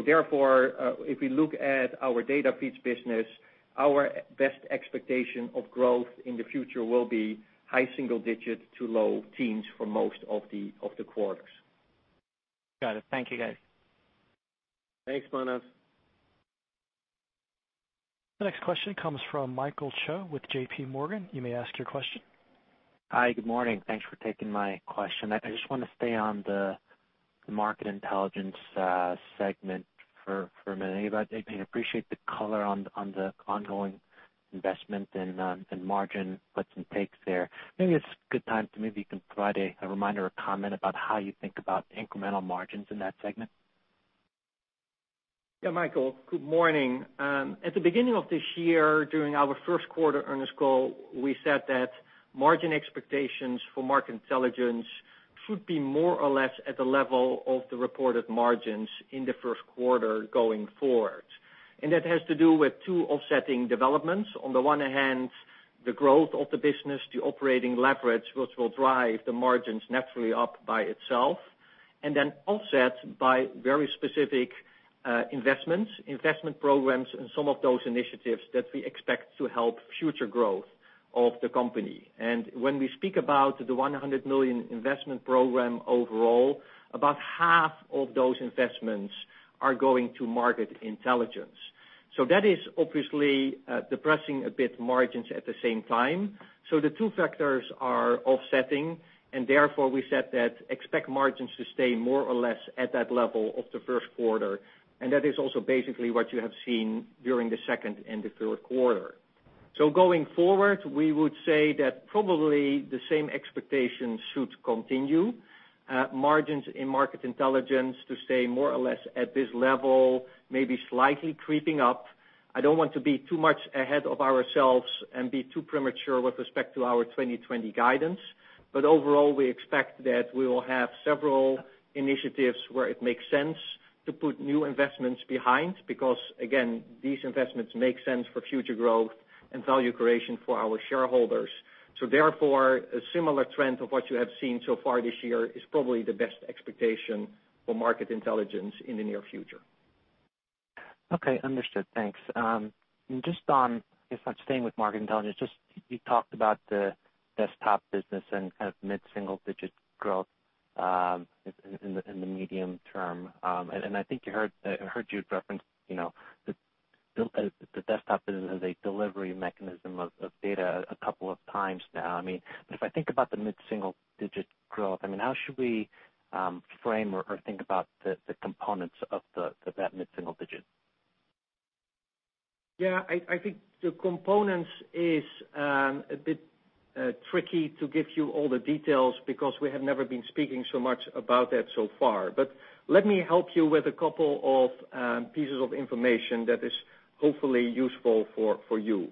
Therefore, if we look at our data feeds business, our best expectation of growth in the future will be high single digits to low teens for most of the quarters. Got it. Thank you, guys. Thanks, Manav. The next question comes from Michael Cho with JPMorgan. You may ask your question. Hi. Good morning. Thanks for taking my question. I just want to stay on the Market Intelligence segment for a minute. Ewout, I appreciate the color on the ongoing investment and margin gives and takes there. Maybe you can provide a reminder or comment about how you think about incremental margins in that segment. Yeah, Michael, good morning. At the beginning of this year, during our first quarter earnings call, we said that margin expectations for Market Intelligence should be more or less at the level of the reported margins in the first quarter going forward. That has to do with two offsetting developments. On the one hand, the growth of the business, the operating leverage, which will drive the margins naturally up by itself, then offset by very specific investments, investment programs, and some of those initiatives that we expect to help future growth of the company. When we speak about the $100 million investment program overall, about half of those investments are going to Market Intelligence. That is obviously depressing a bit margins at the same time. The two factors are offsetting, and therefore, we said that expect margins to stay more or less at that level of the first quarter, and that is also basically what you have seen during the second and the third quarter. Going forward, we would say that probably the same expectation should continue. Margins in Market Intelligence to stay more or less at this level, maybe slightly creeping up. I don't want to be too much ahead of ourselves and be too premature with respect to our 2020 guidance. Overall, we expect that we will have several initiatives where it makes sense to put new investments behind, because again, these investments make sense for future growth and value creation for our shareholders. Therefore, a similar trend of what you have seen so far this year is probably the best expectation for Market Intelligence in the near future. Okay, understood. Thanks. If I'm staying with Market Intelligence, just you talked about the desktop business and mid-single-digit growth in the medium term. I think I heard you reference the desktop as a delivery mechanism of data a couple of times now. If I think about the mid-single-digit growth, how should we frame or think about the components of that mid-single digit? I think the components is a bit tricky to give you all the details because we have never been speaking so much about that so far. Let me help you with a couple of pieces of information that is hopefully useful for you.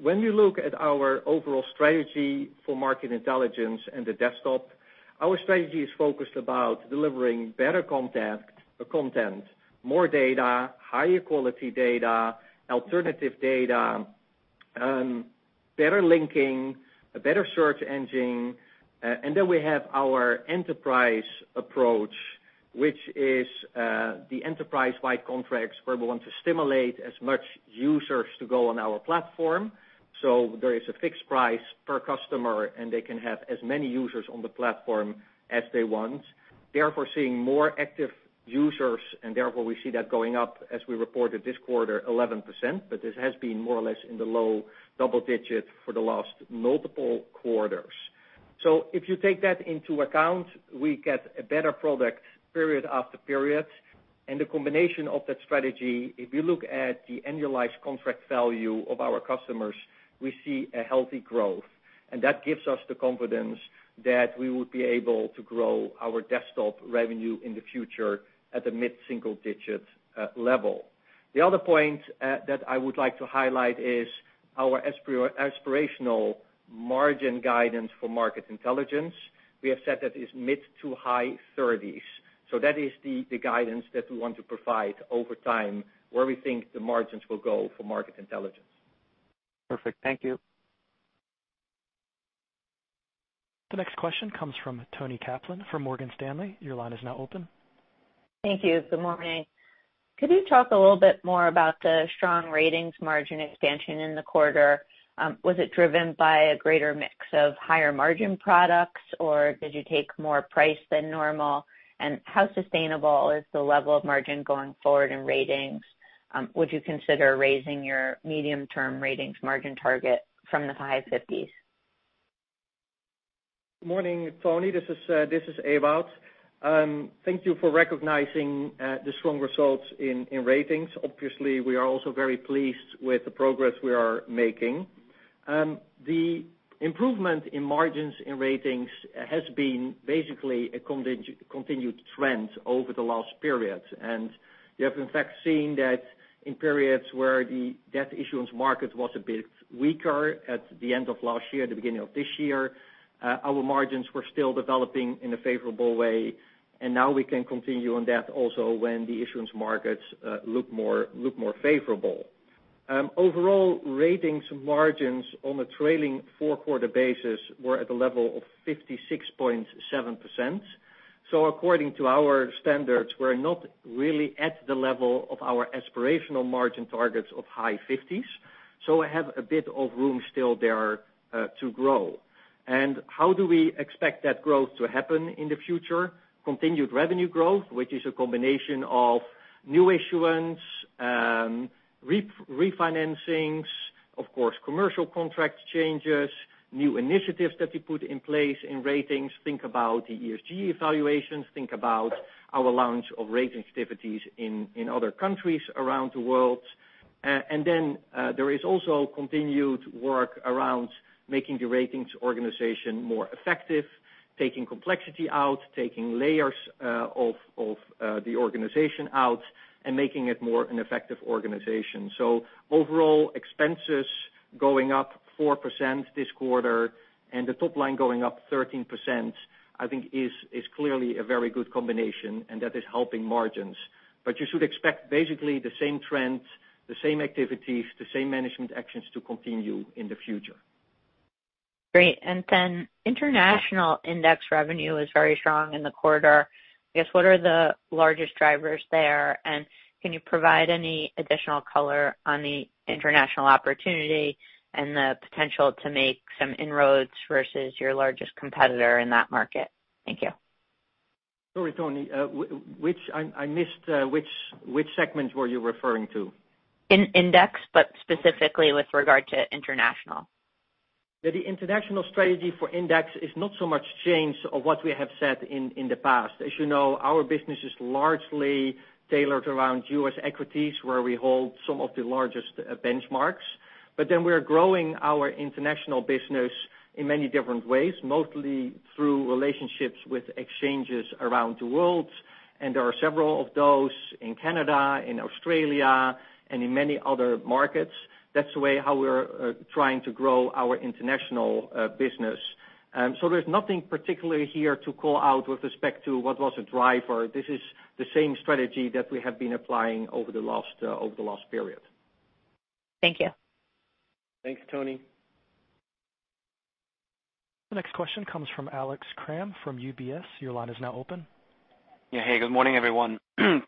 When you look at our overall strategy for Market Intelligence and the desktop, our strategy is focused about delivering better content, more data, higher quality data, alternative data, better linking, a better search engine. Then we have our enterprise approach, which is the enterprise-wide contracts where we want to stimulate as much users to go on our platform. There is a fixed price per customer, and they can have as many users on the platform as they want, therefore seeing more active users, and therefore, we see that going up as we reported this quarter, 11%, but this has been more or less in the low double-digit for the last multiple quarters. If you take that into account, we get a better product period after period. The combination of that strategy, if you look at the annualized contract value of our customers, we see a healthy growth, and that gives us the confidence that we would be able to grow our desktop revenue in the future at a mid-single-digit level. The other point that I would like to highlight is our aspirational margin guidance for Market Intelligence. We have said that it's mid to high 30s. That is the guidance that we want to provide over time, where we think the margins will go for Market Intelligence. Perfect. Thank you. The next question comes from Toni Kaplan from Morgan Stanley. Your line is now open. Thank you. Good morning. Could you talk a little bit more about the strong ratings margin expansion in the quarter? Was it driven by a greater mix of higher margin products, or did you take more price than normal? How sustainable is the level of margin going forward in ratings? Would you consider raising your medium-term ratings margin target from the high 50s? Morning, Toni. This is Ewout. Thank you for recognizing the strong results in Ratings. You have, in fact, seen that in periods where the debt issuance market was a bit weaker at the end of last year, at the beginning of this year, our margins were still developing in a favorable way, and now we can continue on that also when the issuance markets look more favorable. Overall, Ratings margins on a trailing four-quarter basis were at the level of 56.7%. According to our standards, we're not really at the level of our aspirational margin targets of high 50s, so I have a bit of room still there to grow. How do we expect that growth to happen in the future? Continued revenue growth, which is a combination of new issuance, refinancings, of course, commercial contract changes, new initiatives that we put in place in ratings. Think about the ESG evaluations, think about our launch of ratings activities in other countries around the world. Then there is also continued work around making the ratings organization more effective, taking complexity out, taking layers of the organization out, and making it more an effective organization. Overall, expenses going up 4% this quarter and the top line going up 13%, I think is clearly a very good combination, and that is helping margins. You should expect basically the same trends, the same activities, the same management actions to continue in the future. Great. International index revenue is very strong in the quarter. I guess, what are the largest drivers there? Can you provide any additional color on the international opportunity and the potential to make some inroads versus your largest competitor in that market? Thank you. Sorry, Toni. I missed, which segment were you referring to? Index, but specifically with regard to international. The international strategy for index is not so much change of what we have said in the past. As you know, our business is largely tailored around U.S. equities, where we hold some of the largest benchmarks. We are growing our international business in many different ways, mostly through relationships with exchanges around the world, and there are several of those in Canada, in Australia, and in many other markets. That's the way how we're trying to grow our international business. There's nothing particularly here to call out with respect to what was a driver. This is the same strategy that we have been applying over the last period. Thank you. Thanks, Toni. The next question comes from Alex Kramm from UBS. Your line is now open. Yeah. Hey, good morning, everyone.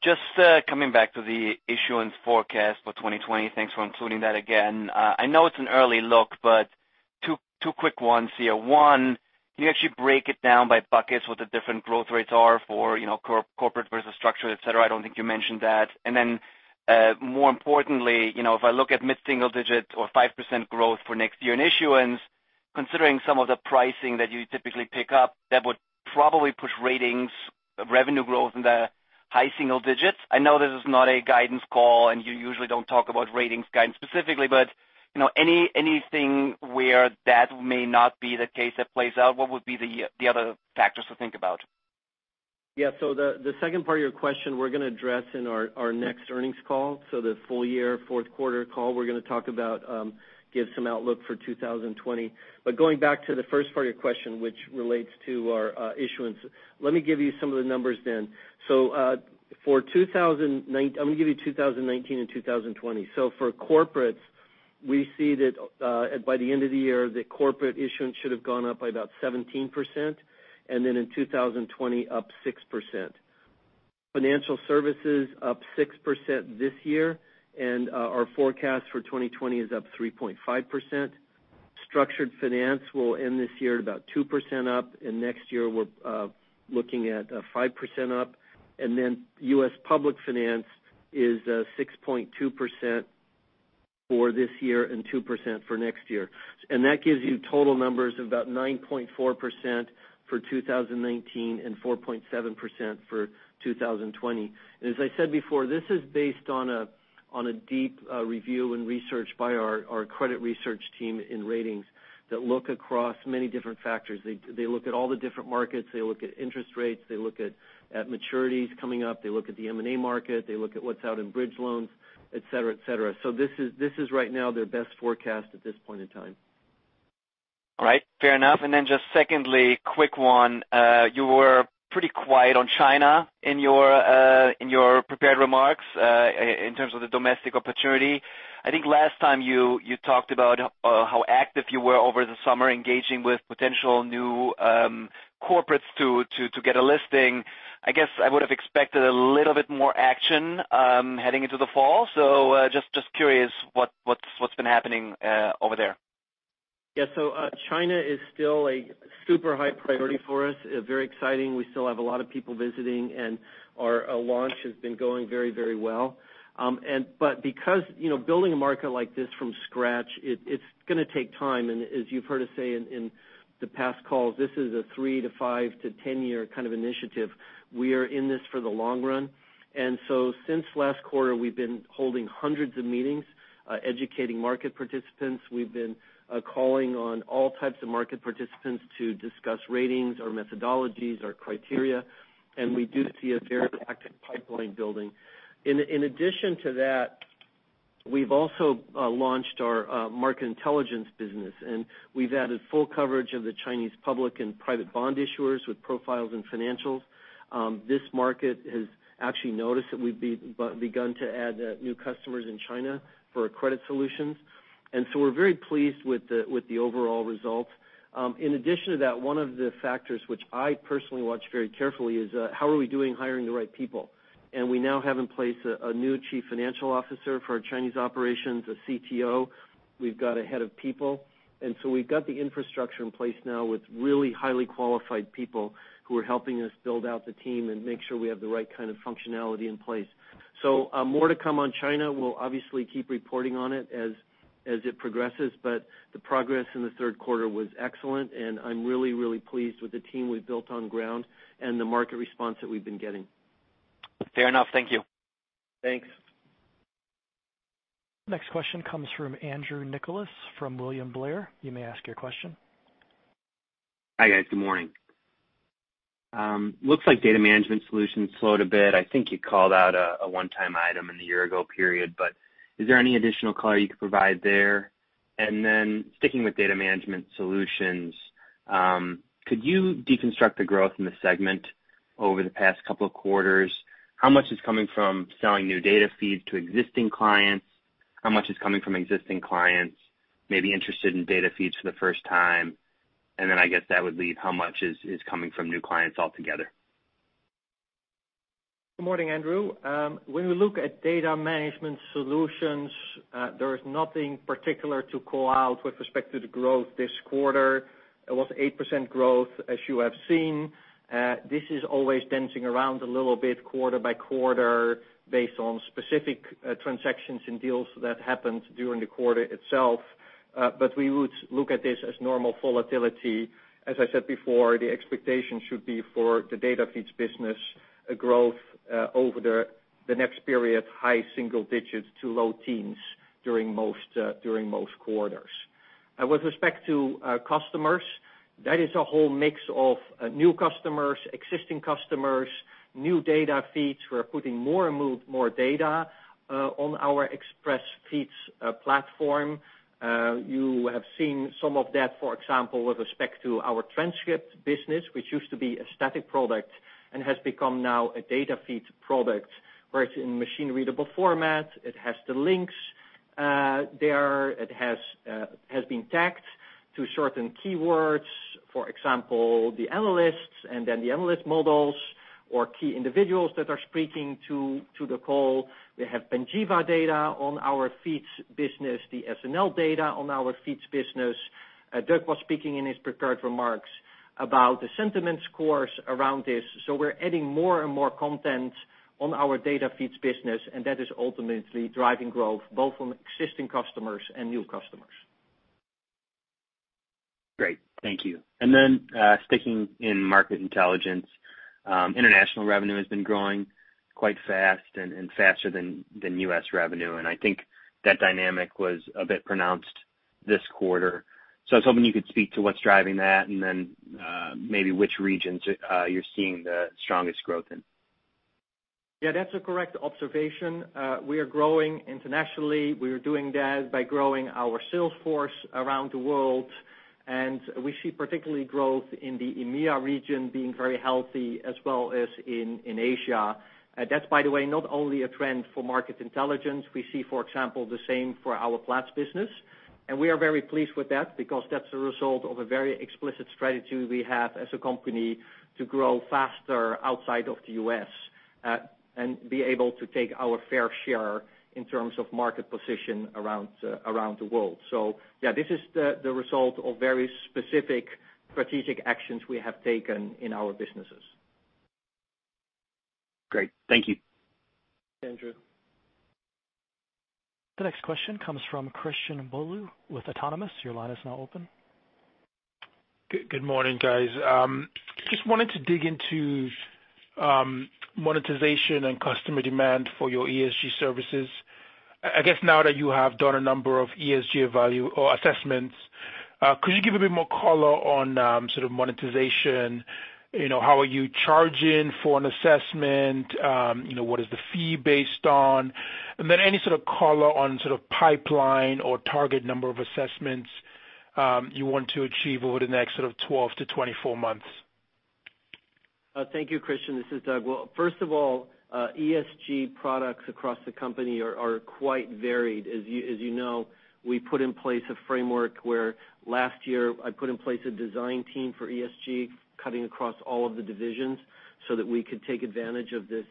Just coming back to the issuance forecast for 2020. Thanks for including that again. I know it's an early look, but two quick ones here. One, can you actually break it down by buckets what the different growth rates are for corporate versus structured, etc? I don't think you mentioned that. More importantly, if I look at mid-single digit or 5% growth for next year in issuance, considering some of the pricing that you typically pick up, that would probably push ratings revenue growth in the high single digits. I know this is not a guidance call, and you usually don't talk about ratings guidance specifically, but anything where that may not be the case that plays out, what would be the other factors to think about? Yeah. The second part of your question, we're going to address in our next earnings call. The full year, fourth quarter call, we're going to talk about, give some outlook for 2020. Going back to the first part of your question, which relates to our issuance, let me give you some of the numbers then. I'm going to give you 2019 and 2020. For corporates, we see that by the end of the year, the corporate issuance should have gone up by about 17%, and then in 2020, up 6%. Financial services up 6% this year. Our forecast for 2020 is up 3.5%. Structured finance will end this year at about 2% up, and next year we're looking at 5% up. U.S. public finance is 6.2% for this year and 2% for next year. That gives you total numbers of about 9.4% for 2019 and 4.7% for 2020. As I said before, this is based on a deep review and research by our credit research team in Ratings that look across many different factors. They look at all the different markets. They look at interest rates. They look at maturities coming up. They look at the M&A market. They look at what's out in bridge loans, etc. This is right now their best forecast at this point in time. All right. Fair enough. Just secondly, quick one. You were pretty quiet on China in your prepared remarks in terms of the domestic opportunity. I think last time you talked about how active you were over the summer engaging with potential new corporates to get a listing. I guess I would have expected a little bit more action heading into the fall. Just curious what's been happening over there. Yeah. China is still a super high priority for us. Very exciting. We still have a lot of people visiting, and our launch has been going very well. Because building a market like this from scratch, it's going to take time. As you've heard us say in the past calls, this is a three to five to 10-year kind of initiative. We are in this for the long run. Since last quarter, we've been holding hundreds of meetings, educating market participants. We've been calling on all types of market participants to discuss ratings or methodologies or criteria. We do see a very active pipeline building. In addition to that, we've also launched our Market Intelligence business, and we've added full coverage of the Chinese public and private bond issuers with profiles and financials. This market has actually noticed that we've begun to add new customers in China for our credit solutions. We're very pleased with the overall results. In addition to that, one of the factors which I personally watch very carefully is how are we doing hiring the right people. We now have in place a new chief financial officer for our Chinese operations, a CTO. We've got a head of people. We've got the infrastructure in place now with really highly qualified people who are helping us build out the team and make sure we have the right kind of functionality in place. More to come on China. We'll obviously keep reporting on it as it progresses, but the progress in the third quarter was excellent and I'm really pleased with the team we've built on ground and the market response that we've been getting. Fair enough. Thank you. Thanks. Next question comes from Andrew Nicholas from William Blair. You may ask your question. Hi, guys. Good morning. Looks like Data Management Solutions slowed a bit. I think you called out a one-time item in the year-ago period, is there any additional color you could provide there? Sticking with Data Management Solutions, could you deconstruct the growth in the segment over the past couple of quarters? How much is coming from selling new data feeds to existing clients? How much is coming from existing clients, maybe interested in data feeds for the first time? I guess that would leave how much is coming from new clients altogether. Good morning, Andrew. When we look at Data Management Solutions, there is nothing particular to call out with respect to the growth this quarter. It was 8% growth, as you have seen. This is always dancing around a little bit quarter-by-quarter based on specific transactions and deals that happened during the quarter itself. We would look at this as normal volatility. As I said before, the expectation should be for the data feeds business growth over the next period, high single digits to low teens during most quarters. With respect to customers, that is a whole mix of new customers, existing customers, new data feeds. We're putting more and more data on our Xpressfeed platform. You have seen some of that, for example, with respect to our transcript business, which used to be a static product and has become now a data feed product, where it's in machine-readable format. It has the links. It has been tagged to certain keywords. For example, the analysts and then the analyst models or key individuals that are speaking to the call. We have Panjiva data on our feeds business, the SNL data on our feeds business. Doug was speaking in his prepared remarks about the sentiment scores around this. We're adding more and more content on our data feeds business, and that is ultimately driving growth both from existing customers and new customers. Great. Thank you. Sticking in Market Intelligence, international revenue has been growing quite fast and faster than U.S. revenue, and I think that dynamic was a bit pronounced this quarter. I was hoping you could speak to what's driving that and then maybe which regions you're seeing the strongest growth in. Yeah, that's a correct observation. We are growing internationally. We are doing that by growing our sales force around the world, and we see particularly growth in the EMEA region being very healthy, as well as in Asia. That's, by the way, not only a trend for Market Intelligence, we see, for example, the same for our Platts business. We are very pleased with that because that's a result of a very explicit strategy we have as a company to grow faster outside of the U.S. and be able to take our fair share in terms of market position around the world. Yeah, this is the result of very specific strategic actions we have taken in our businesses. Great. Thank you. Thanks, Andrew. The next question comes from Christian Bolu with Autonomous. Your line is now open. Good morning, guys. Just wanted to dig into monetization and customer demand for your ESG services. I guess now that you have done a number of ESG value or assessments, could you give a bit more color on sort of monetization? How are you charging for an assessment? What is the fee based on? Any sort of color on sort of pipeline or target number of assessments you want to achieve over the next sort of 12-24 months? Thank you, Christian. This is Doug. First of all, ESG products across the company are quite varied. As you know, we put in place a framework where last year, I put in place a design team for ESG, cutting across all of the divisions so that we could take advantage of this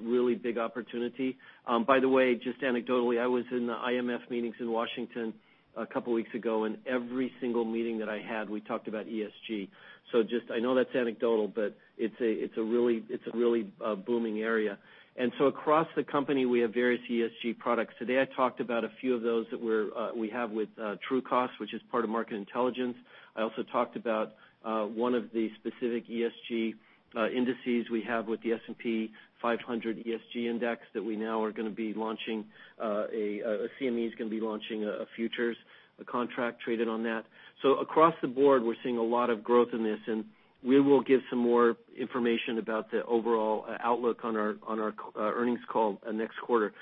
really big opportunity. By the way, just anecdotally, I was in the IMF meetings in Washington a couple of weeks ago, and every single meeting that I had, we talked about ESG. Just, I know that's anecdotal, but it's a really booming area. Across the company, we have various ESG products. Today, I talked about a few of those that we have with Trucost, which is part of Market Intelligence. I also talked about one of the specific ESG indices we have with the S&P 500 ESG Index that we now are going to be launching. CME is going to be launching a futures contract traded on that. Across the board, we're seeing a lot of growth in this, and we will give some more information about the overall outlook on our earnings call next quarter.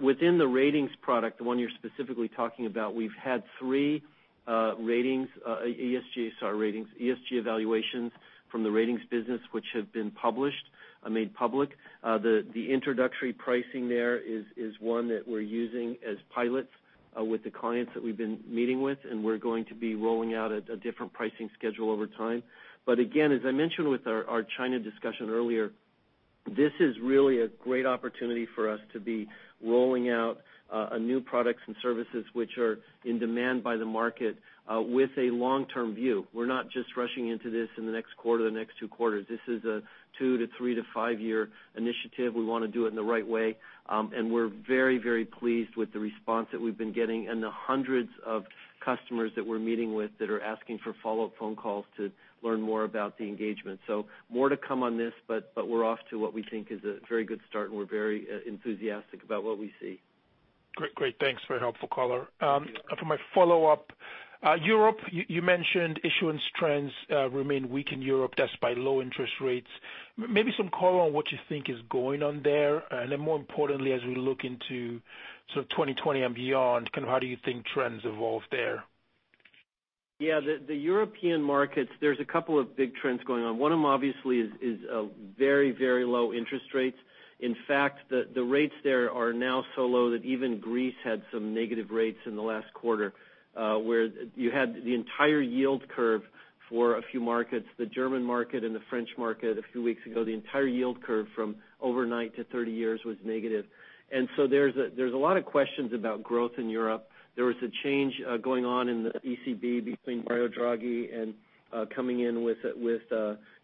Within the Ratings product, the one you're specifically talking about, we've had three ESG evaluations from the Ratings business, which have been made public. The introductory pricing there is one that we're using as pilots with the clients that we've been meeting with, and we're going to be rolling out a different pricing schedule over time. Again, as I mentioned with our China discussion earlier, this is really a great opportunity for us to be rolling out new products and services, which are in demand by the market with a long-term view. We're not just rushing into this in the next quarter, the next two quarters. This is a two to three to five-year initiative. We want to do it in the right way, and we're very pleased with the response that we've been getting and the hundreds of customers that we're meeting with that are asking for follow-up phone calls to learn more about the engagement. More to come on this, but we're off to what we think is a very good start, and we're very enthusiastic about what we see. Great. Thanks. Very helpful color. Thank you. For my follow-up, Europe, you mentioned issuance trends remain weak in Europe. That's by low interest rates. Maybe some color on what you think is going on there. More importantly, as we look into sort of 2020 and beyond, how do you think trends evolve there? Yeah. The European markets, there's a couple of big trends going on. One of them, obviously, is very low interest rates. In fact, the rates there are now so low that even Greece had some negative rates in the last quarter, where you had the entire yield curve for a few markets, the German market and the French market a few weeks ago, the entire yield curve from overnight to 30 years was negative. There's a lot of questions about growth in Europe. There was a change going on in the ECB between Mario Draghi and coming in with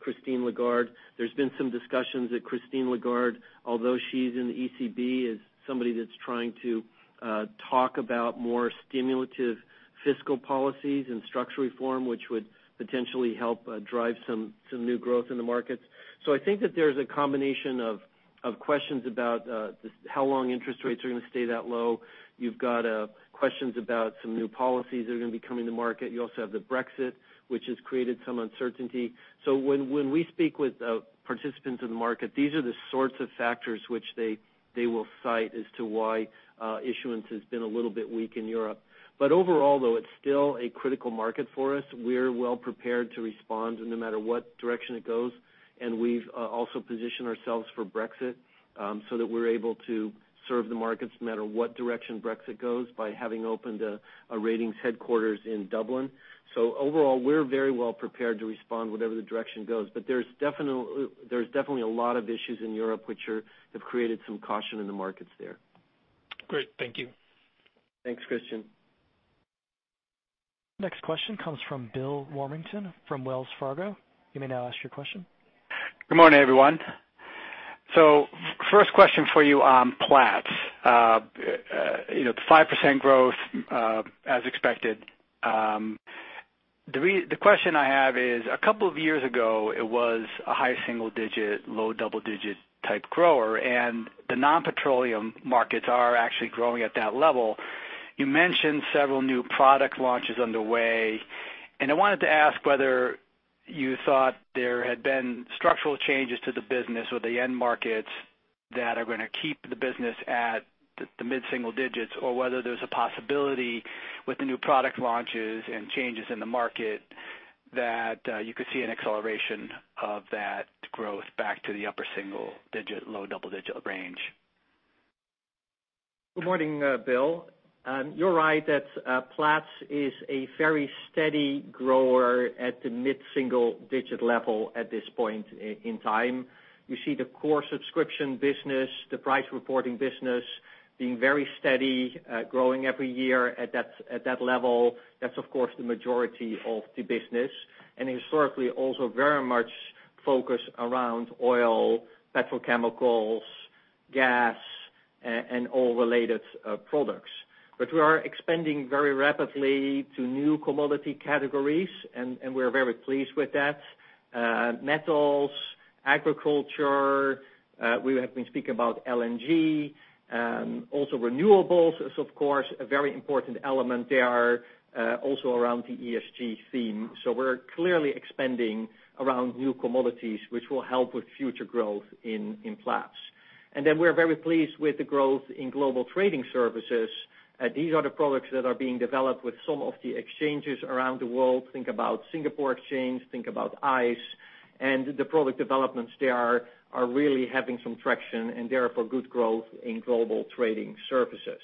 Christine Lagarde. There's been some discussions that Christine Lagarde, although she's in the ECB, is somebody that's trying to talk about more stimulative fiscal policies and structural reform, which would potentially help drive some new growth in the markets. I think that there's a combination of questions about how long interest rates are going to stay that low. You've got questions about some new policies that are going to be coming to market. You also have the Brexit, which has created some uncertainty. When we speak with participants in the market, these are the sorts of factors which they will cite as to why issuance has been a little bit weak in Europe. Overall, though, it's still a critical market for us. We're well-prepared to respond in no matter what direction it goes. We've also positioned ourselves for Brexit, so that we're able to serve the markets no matter what direction Brexit goes by having opened a ratings headquarters in Dublin. Overall, we're very well-prepared to respond whatever the direction goes. There's definitely a lot of issues in Europe which have created some caution in the markets there. Great. Thank you. Thanks, Christian. Next question comes from Bill Warmington from Wells Fargo. You may now ask your question. Good morning, everyone. First question for you on Platts. The 5% growth, as expected. The question I have is, a couple of years ago, it was a high single-digit, low double-digit type grower, and the non-petroleum markets are actually growing at that level. You mentioned several new product launches underway, and I wanted to ask whether you thought there had been structural changes to the business or the end markets that are going to keep the business at the mid-single digits, or whether there's a possibility with the new product launches and changes in the market that you could see an acceleration of that growth back to the upper single-digit, low double-digit range. Good morning, Bill. You're right that Platts is a very steady grower at the mid-single digit level at this point in time. You see the core subscription business, the price reporting business, being very steady, growing every year at that level. That's, of course, the majority of the business. Historically, also very much focused around oil, petrochemicals, gas, and all related products. We are expanding very rapidly to new commodity categories, and we're very pleased with that. Metals, agriculture, we have been speaking about LNG. Also renewables is, of course, a very important element there, also around the ESG theme. We're clearly expanding around new commodities, which will help with future growth in Platts. We're very pleased with the growth in global trading services. These are the products that are being developed with some of the exchanges around the world. Think about Singapore Exchange, think about ICE, and the product developments there are really having some traction and therefore good growth in global trading services.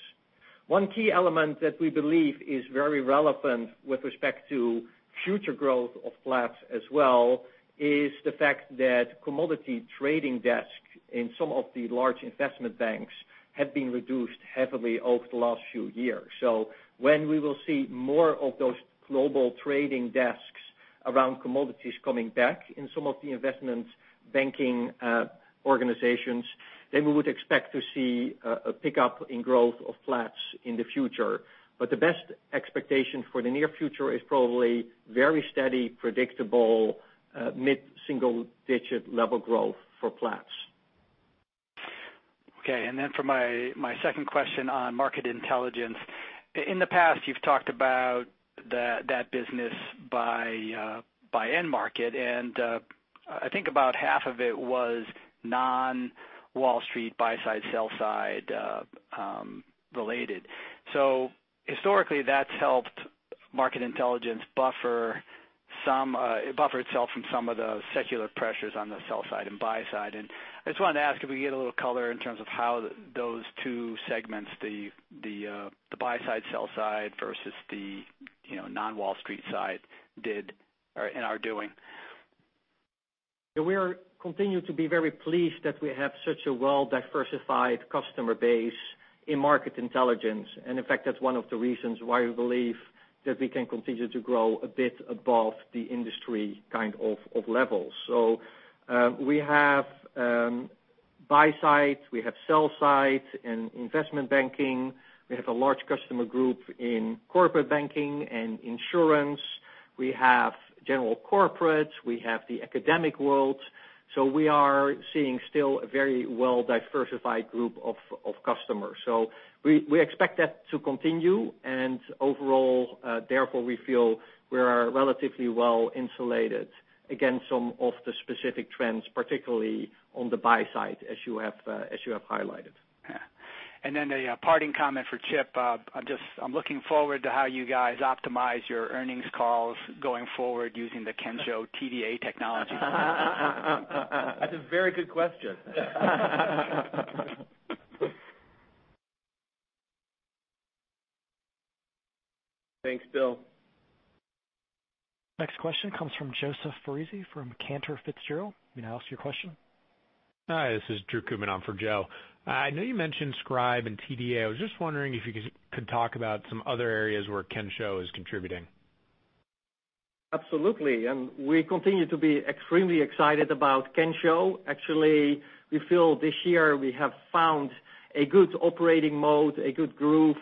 One key element that we believe is very relevant with respect to future growth of Platts as well, is the fact that commodity trading desk in some of the large investment banks have been reduced heavily over the last few years. When we will see more of those global trading desks around commodities coming back in some of the investment banking organizations, then we would expect to see a pickup in growth of Platts in the future. The best expectation for the near future is probably very steady, predictable, mid-single digit level growth for Platts. Okay, for my second question on Market Intelligence. In the past, you've talked about that business by end market, I think about half of it was non-Wall Street, buy-side, sell-side related. Historically, that's helped Market Intelligence buffer itself from some of the secular pressures on the sell-side and buy-side. I just wanted to ask if we could get a little color in terms of how those two segments, the buy-side, sell-side versus the non-Wall Street side did or are doing. We are continued to be very pleased that we have such a well-diversified customer base in Market Intelligence. In fact, that's one of the reasons why we believe that we can continue to grow a bit above the industry kind of levels. We have buy-side, we have sell-side in investment banking. We have a large customer group in corporate banking and insurance. We have general corporate. We have the academic world. We are seeing still a very well-diversified group of customers. We expect that to continue, and overall, therefore, we feel we are relatively well-insulated against some of the specific trends, particularly on the buy-side, as you have highlighted. Yeah. A parting comment for Chip. I'm looking forward to how you guys optimize your earnings calls going forward using the Kensho TDA technology. That's a very good question. Thanks, Bill. Next question comes from Joseph Foresi from Cantor Fitzgerald. You may now ask your question. Hi, this is Drew Kootman for Joe. I know you mentioned Scribe and TDA. I was just wondering if you could talk about some other areas where Kensho is contributing. Absolutely. We continue to be extremely excited about Kensho. Actually, we feel this year we have found a good operating mode, a good groove.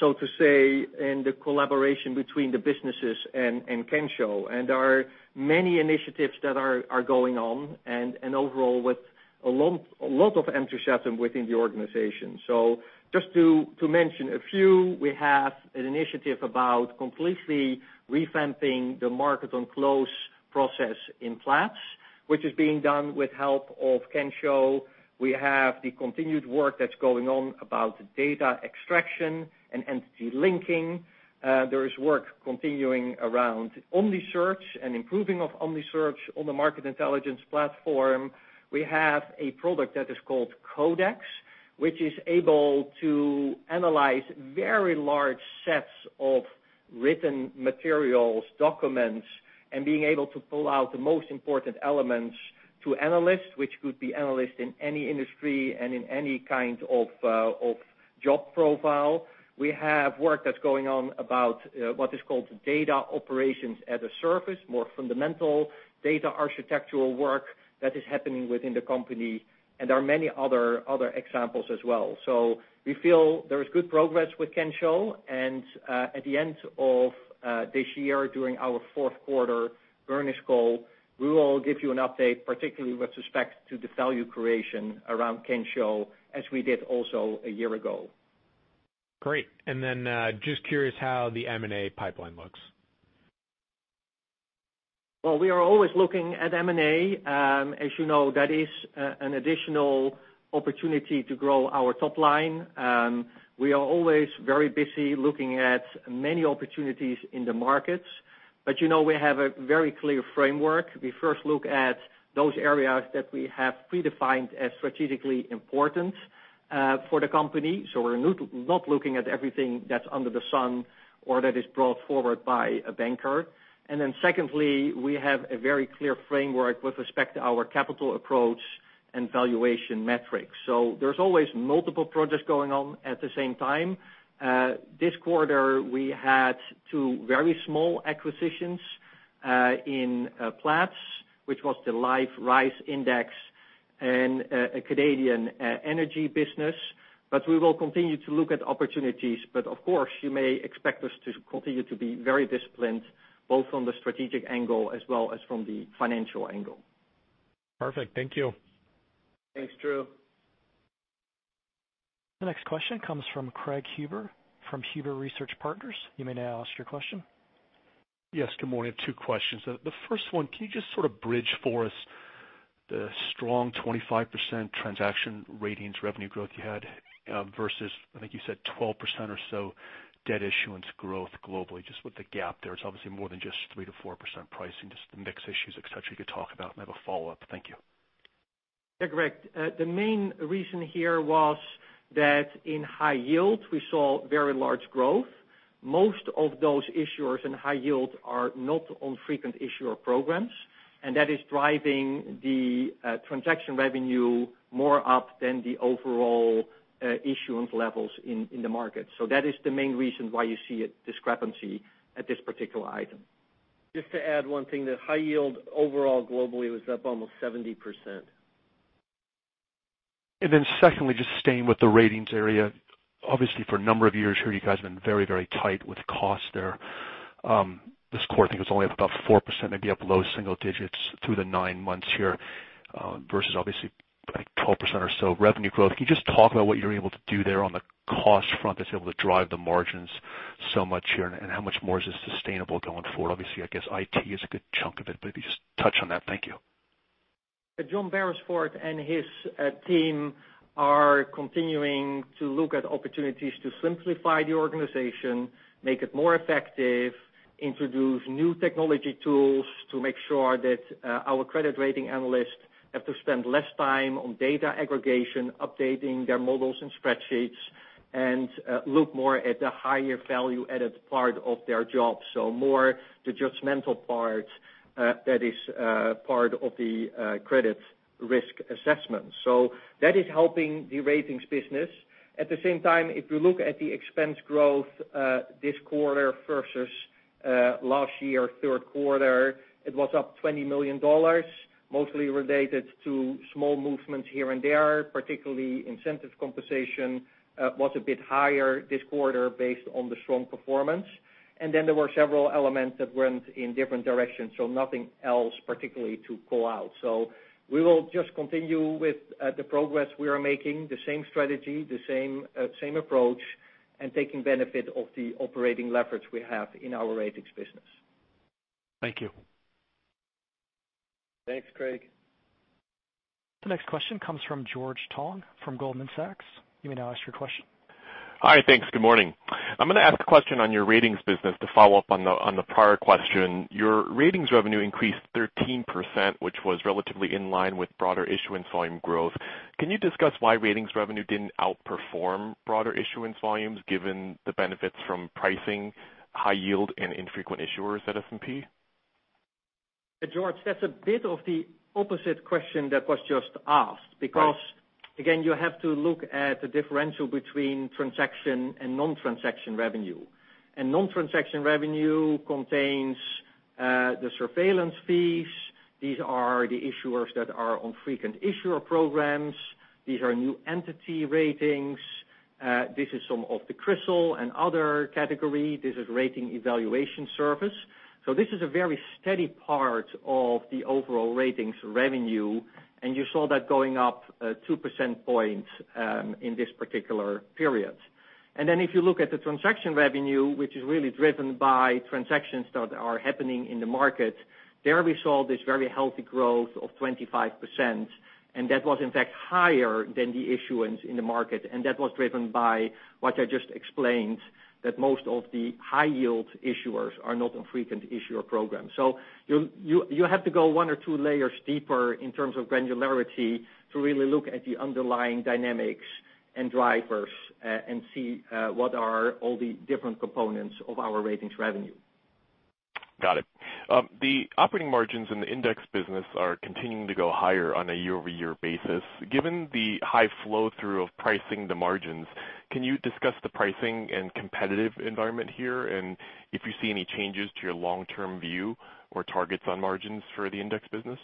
To say, in the collaboration between the businesses and Kensho. There are many initiatives that are going on, and overall with a lot of enthusiasm within the organization. Just to mention a few, we have an initiative about completely revamping the market on close process in Platts, which is being done with help of Kensho. We have the continued work that's going on about data extraction and entity linking. There is work continuing around OmniSearch and improving of OmniSearch on the Market Intelligence platform. We have a product that is called Codex, which is able to analyze very large sets of written materials, documents, and being able to pull out the most important elements to analysts, which could be analysts in any industry and in any kind of job profile. We have work that's going on about what is called data operations as a service, more fundamental data architectural work that is happening within the company, and there are many other examples as well. We feel there is good progress with Kensho, and at the end of this year, during our fourth quarter earnings call, we will give you an update, particularly with respect to the value creation around Kensho, as we did also a year ago. Great. Just curious how the M&A pipeline looks. Well, we are always looking at M&A. As you know, that is an additional opportunity to grow our top line. We are always very busy looking at many opportunities in the markets. You know we have a very clear framework. We first look at those areas that we have predefined as strategically important for the company. We're not looking at everything that's under the sun or that is brought forward by a banker. Secondly, we have a very clear framework with respect to our capital approach and valuation metrics. There's always multiple projects going on at the same time. This quarter, we had two very small acquisitions in Platts, which was the Live Rice Index and a Canadian energy business. We will continue to look at opportunities. Of course, you may expect us to continue to be very disciplined, both from the strategic angle as well as from the financial angle. Perfect. Thank you. Thanks, Drew. The next question comes from Craig Huber from Huber Research Partners. You may now ask your question. Yes, good morning. Two questions. The first one, can you just sort of bridge for us the strong 25% transaction ratings revenue growth you had, versus, I think you said 12% or so debt issuance growth globally? Just with the gap there, it's obviously more than just 3%-4% pricing, just the mix issues, etc, you could talk about. I have a follow-up. Thank you. Craig. The main reason here was that in high yield, we saw very large growth. Most of those issuers in high yield are not on frequent issuer programs, that is driving the transaction revenue more up than the overall issuance levels in the market. That is the main reason why you see a discrepancy at this particular item. Just to add one thing, the high-yield overall globally was up almost 70%. Then secondly, just staying with the ratings area. Obviously, for a number of years here, you guys have been very tight with cost there. This quarter, I think it was only up about 4%, maybe up low single digits through the nine months here, versus obviously, I think 12% or so revenue growth. Can you just talk about what you're able to do there on the cost front that's able to drive the margins so much here, and how much more is this sustainable going forward? Obviously, I guess IT is a good chunk of it, but if you could just touch on that. Thank you. John Berisford and his team are continuing to look at opportunities to simplify the organization, make it more effective, introduce new technology tools to make sure that our credit rating analysts have to spend less time on data aggregation, updating their models and spreadsheets, and look more at the higher value added part of their job. More the judgmental part that is part of the credit risk assessment. That is helping the ratings business. At the same time, if you look at the expense growth, this quarter versus last year, third quarter, it was up $20 million, mostly related to small movements here and there. Particularly, incentive compensation was a bit higher this quarter based on the strong performance. Then there were several elements that went in different directions, so nothing else particularly to call out. We will just continue with the progress we are making, the same strategy, the same approach, and taking benefit of the operating leverage we have in our ratings business. Thank you. Thanks, Craig. The next question comes from George Tong from Goldman Sachs. You may now ask your question. Hi. Thanks. Good morning. I'm going to ask a question on your ratings business to follow up on the prior question. Your ratings revenue increased 13%, which was relatively in line with broader issuance volume growth. Can you discuss why ratings revenue didn't outperform broader issuance volumes given the benefits from pricing high yield in infrequent issuers at S&P? George, that's a bit of the opposite question that was just asked. Right. Again, you have to look at the differential between transaction and non-transaction revenue. Non-transaction revenue contains the surveillance fees. These are the issuers that are on frequent issuer programs. These are new entity ratings. This is some of the CRISIL and other category. This is rating evaluation service. This is a very steady part of the overall ratings revenue, and you saw that going up 2 percentage points in this particular period. If you look at the transaction revenue, which is really driven by transactions that are happening in the market, there we saw this very healthy growth of 25%, and that was in fact higher than the issuance in the market. That was driven by what I just explained, that most of the high yield issuers are not on frequent issuer program. You have to go one or two layers deeper in terms of granularity to really look at the underlying dynamics and drivers, and see what are all the different components of our ratings revenue. Got it. The operating margins in the index business are continuing to go higher on a year-over-year basis. Given the high flow through of pricing the margins, can you discuss the pricing and competitive environment here, and if you see any changes to your long-term view or targets on margins for the index business?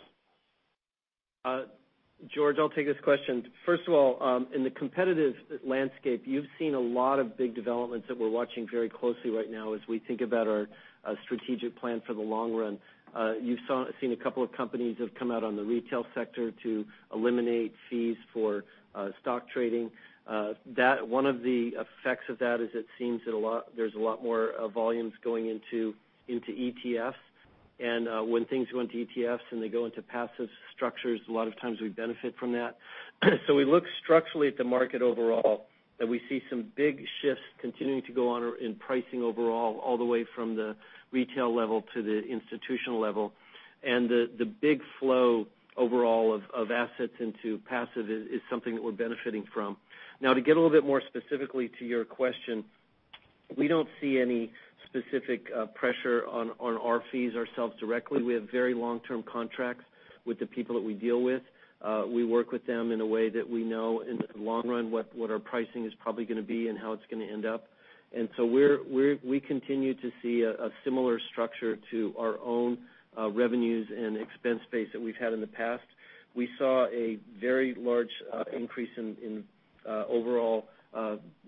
George, I'll take this question. First of all, in the competitive landscape, you've seen a lot of big developments that we're watching very closely right now as we think about our strategic plan for the long run. You've seen a couple of companies have come out on the retail sector to eliminate fees for stock trading. One of the effects of that is it seems there's a lot more volumes going into ETFs. When things go into ETFs and they go into passive structures, a lot of times we benefit from that. We look structurally at the market overall, and we see some big shifts continuing to go on in pricing overall, all the way from the retail level to the institutional level. The big flow overall of assets into passive is something that we're benefiting from. To get a little bit more specifically to your question, we don't see any specific pressure on our fees ourselves directly. We have very long-term contracts with the people that we deal with. We work with them in a way that we know in the long run what our pricing is probably going to be and how it's going to end up. We continue to see a similar structure to our own revenues and expense base that we've had in the past. We saw a very large increase in overall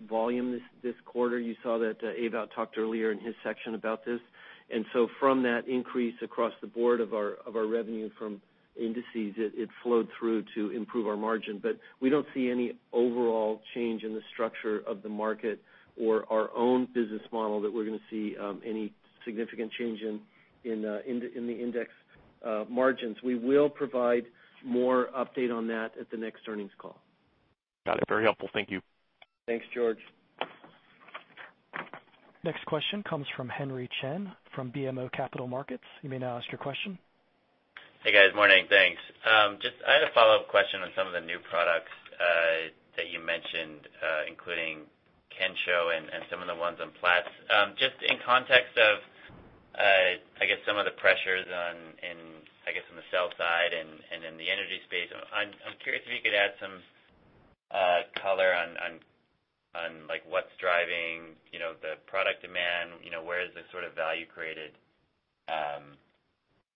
volume this quarter. You saw that Ewout talked earlier in his section about this. From that increase across the board of our revenue from indices, it flowed through to improve our margin. We don't see any overall change in the structure of the market or our own business model that we're going to see any significant change in the index margins. We will provide more update on that at the next earnings call. Got it. Very helpful. Thank you. Thanks, George. Next question comes from Henry Chen from BMO Capital Markets. You may now ask your question. Hey, guys. Morning. Thanks. I had a follow-up question on some of the new products that you mentioned, including Kensho and some of the ones on Platts. Just in context of, I guess, some of the pressures on the sell side and in the energy space, I'm curious if you could add some color on what's driving the product demand, where is the value created,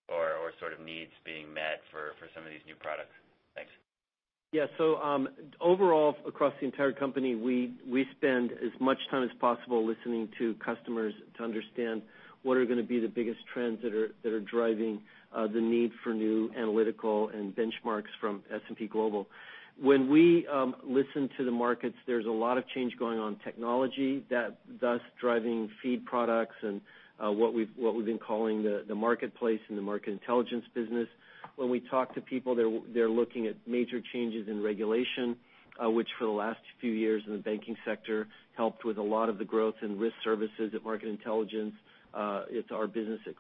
or needs being met for some of these new products. Thanks. Overall, across the entire company, we spend as much time as possible listening to customers to understand what are going to be the biggest trends that are driving the need for new analytical and benchmarks from S&P Global. When we listen to the markets, there's a lot of change going on in technology, thus driving feed products and what we've been calling the marketplace and the Market Intelligence business. When we talk to people, they're looking at major changes in regulation, which for the last few years in the banking sector, helped with a lot of the growth in risk services at Market Intelligence. It's our business at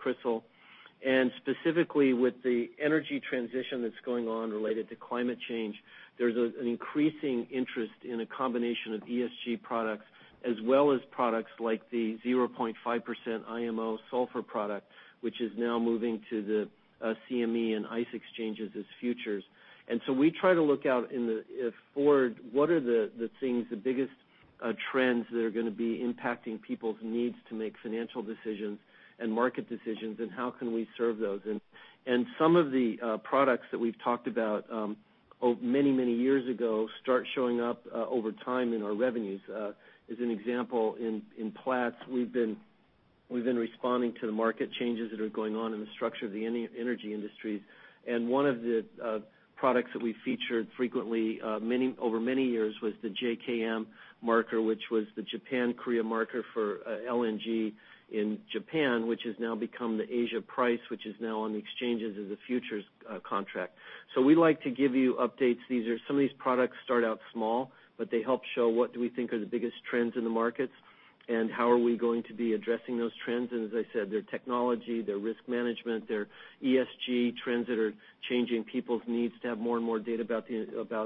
CRISIL. Specifically with the energy transition that's going on related to climate change, there's an increasing interest in a combination of ESG products as well as products like the 0.5% IMO sulfur product, which is now moving to the CME and ICE exchanges as futures. We try to look out forward. What are the things, the biggest trends that are going to be impacting people's needs to make financial decisions and market decisions, and how can we serve those? And some of the products that we've talked about many, many years ago start showing up over time in our revenues. As an example, in Platts, we've been responding to the market changes that are going on in the structure of the energy industries. One of the products that we featured frequently over many years was the JKM marker, which was the Japan Korea Marker for LNG in Japan, which has now become the Asia price, which is now on the exchanges as a futures contract. We like to give you updates. Some of these products start out small, but they help show what do we think are the biggest trends in the markets and how are we going to be addressing those trends. As I said, they're technology, they're risk management, they're ESG trends that are changing people's needs to have more and more data about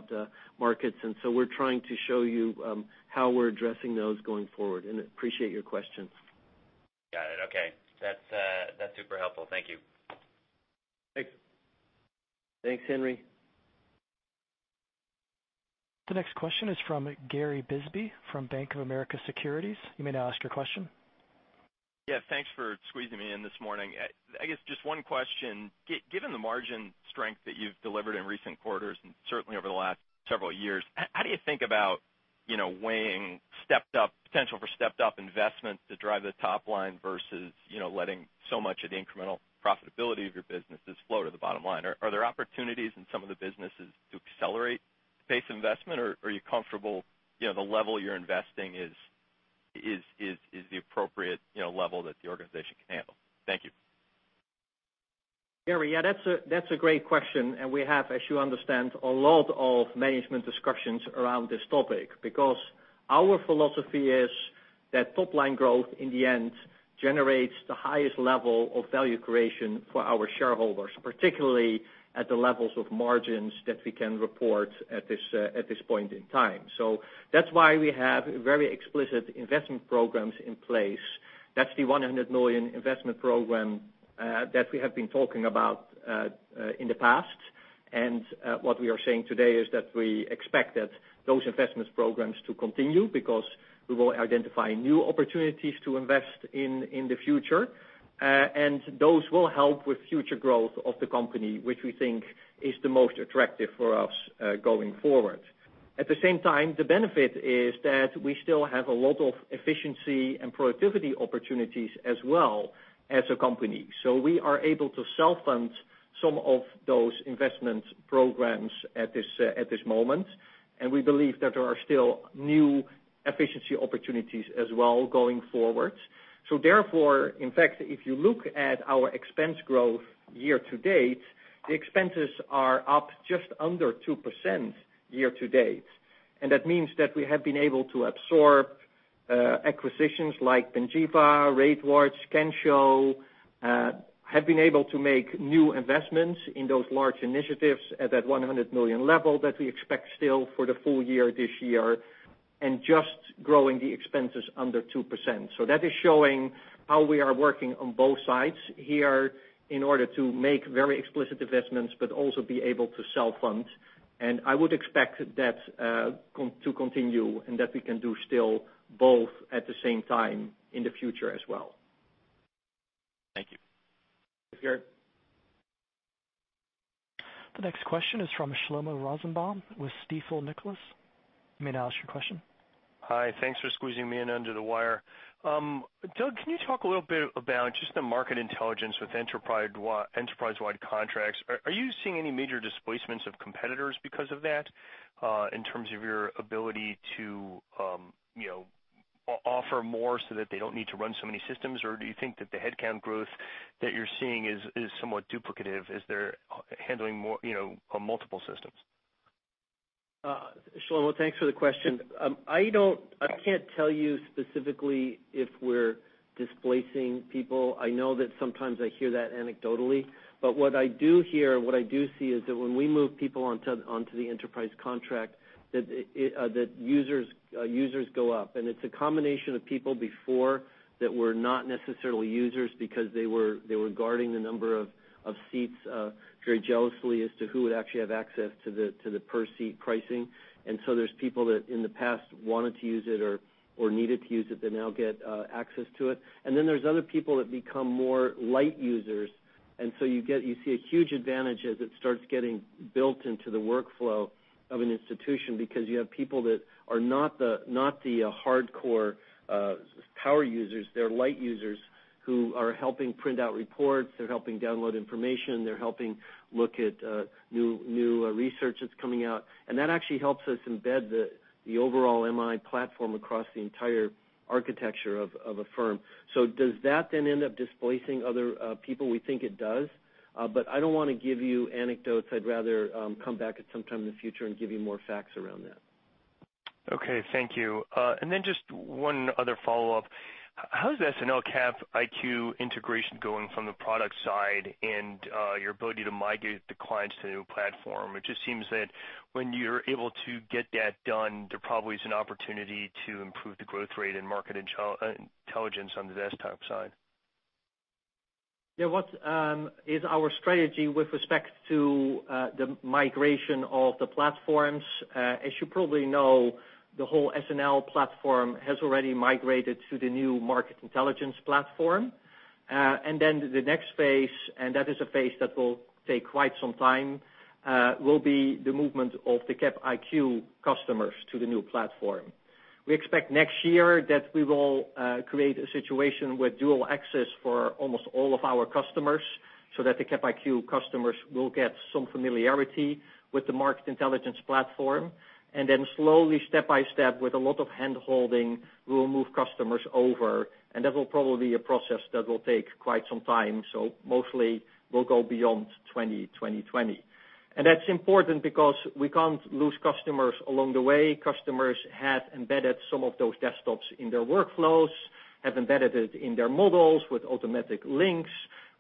the markets. We're trying to show you how we're addressing those going forward, and appreciate your questions. Got it. Okay. That's super helpful. Thank you. Thanks. Thanks, Henry. The next question is from Gary Bisbee from Bank of America Securities. You may now ask your question. Yeah, thanks for squeezing me in this morning. I guess just one question. Given the margin strength that you've delivered in recent quarters and certainly over the last several years, how do you think about weighing potential for stepped-up investment to drive the top line versus letting so much of the incremental profitability of your businesses flow to the bottom line? Are there opportunities in some of the businesses to accelerate pace investment, or are you comfortable the level you're investing is the appropriate level that the organization can handle? Thank you. Gary, yeah, that's a great question. We have, as you understand, a lot of management discussions around this topic because our philosophy is that top-line growth, in the end, generates the highest level of value creation for our shareholders, particularly at the levels of margins that we can report at this point in time. That's why we have very explicit investment programs in place. That's the $100 million investment program that we have been talking about in the past. What we are saying today is that we expect those investments programs to continue because we will identify new opportunities to invest in the future. Those will help with future growth of the company, which we think is the most attractive for us going forward. At the same time, the benefit is that we still have a lot of efficiency and productivity opportunities as well as a company. We are able to self-fund some of those investment programs at this moment, and we believe that there are still new efficiency opportunities as well going forward. Therefore, in fact, if you look at our expense growth year-to-date, the expenses are up just under 2% year-to-date. That means that we have been able to absorb acquisitions like Panjiva, RateWatch, Kensho, have been able to make new investments in those large initiatives at that $100 million level that we expect still for the full year this year, and just growing the expenses under 2%. That is showing how we are working on both sides here in order to make very explicit investments, but also be able to self-fund. I would expect that to continue and that we can do still both at the same time in the future as well. Thank you. Thank you. The next question is from Shlomo Rosenbaum with Stifel Nicolaus. You may now ask your question. Hi. Thanks for squeezing me in under the wire. Doug, can you talk a little bit about just the Market Intelligence with enterprise-wide contracts? Are you seeing any major displacements of competitors because of that, in terms of your ability to offer more so that they don't need to run so many systems? Do you think that the headcount growth that you're seeing is somewhat duplicative as they're handling multiple systems? Shlomo, thanks for the question. I can't tell you specifically if we're displacing people. I know that sometimes I hear that anecdotally. What I do hear and what I do see is that when we move people onto the enterprise contract, that users go up. It's a combination of people before that were not necessarily users because they were guarding the number of seats very jealously as to who would actually have access to the per-seat pricing. There's people that in the past wanted to use it or needed to use it, they now get access to it. There's other people that become more light users, and so you see a huge advantage as it starts getting built into the workflow of an institution because you have people that are not the hardcore power users. They're light users who are helping print out reports. They're helping download information. They're helping look at new research that's coming out. That actually helps us embed the overall MI platform across the entire architecture of a firm. Does that then end up displacing other people? We think it does. I don't want to give you anecdotes. I'd rather come back at some time in the future and give you more facts around that. Okay, thank you. Just one other follow-up. How is the SNL Capital IQ integration going from the product side and your ability to migrate the clients to the new platform? It just seems that when you're able to get that done, there probably is an opportunity to improve the growth rate in Market Intelligence on the desktop side. Yeah. What is our strategy with respect to the migration of the platforms? As you probably know, the whole SNL platform has already migrated to the new Market Intelligence platform. The next phase, and that is a phase that will take quite some time, will be the movement of the Capital IQ customers to the new platform. We expect next year that we will create a situation with dual access for almost all of our customers, so that the Capital IQ customers will get some familiarity with the Market Intelligence platform. Slowly, step by step, with a lot of hand-holding, we will move customers over, and that will probably be a process that will take quite some time. Mostly, we'll go beyond 2020. That's important because we can't lose customers along the way. Customers have embedded some of those desktops in their workflows, have embedded it in their models with automatic links.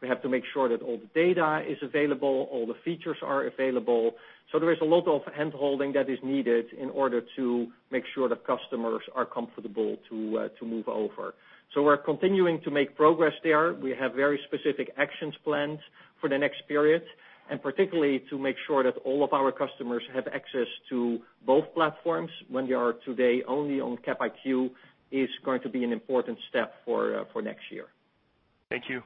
We have to make sure that all the data is available, all the features are available. There is a lot of hand-holding that is needed in order to make sure the customers are comfortable to move over. We're continuing to make progress there. We have very specific actions planned for the next period. Particularly to make sure that all of our customers have access to both platforms when they are today only on Capital IQ is going to be an important step for next year. Thank you.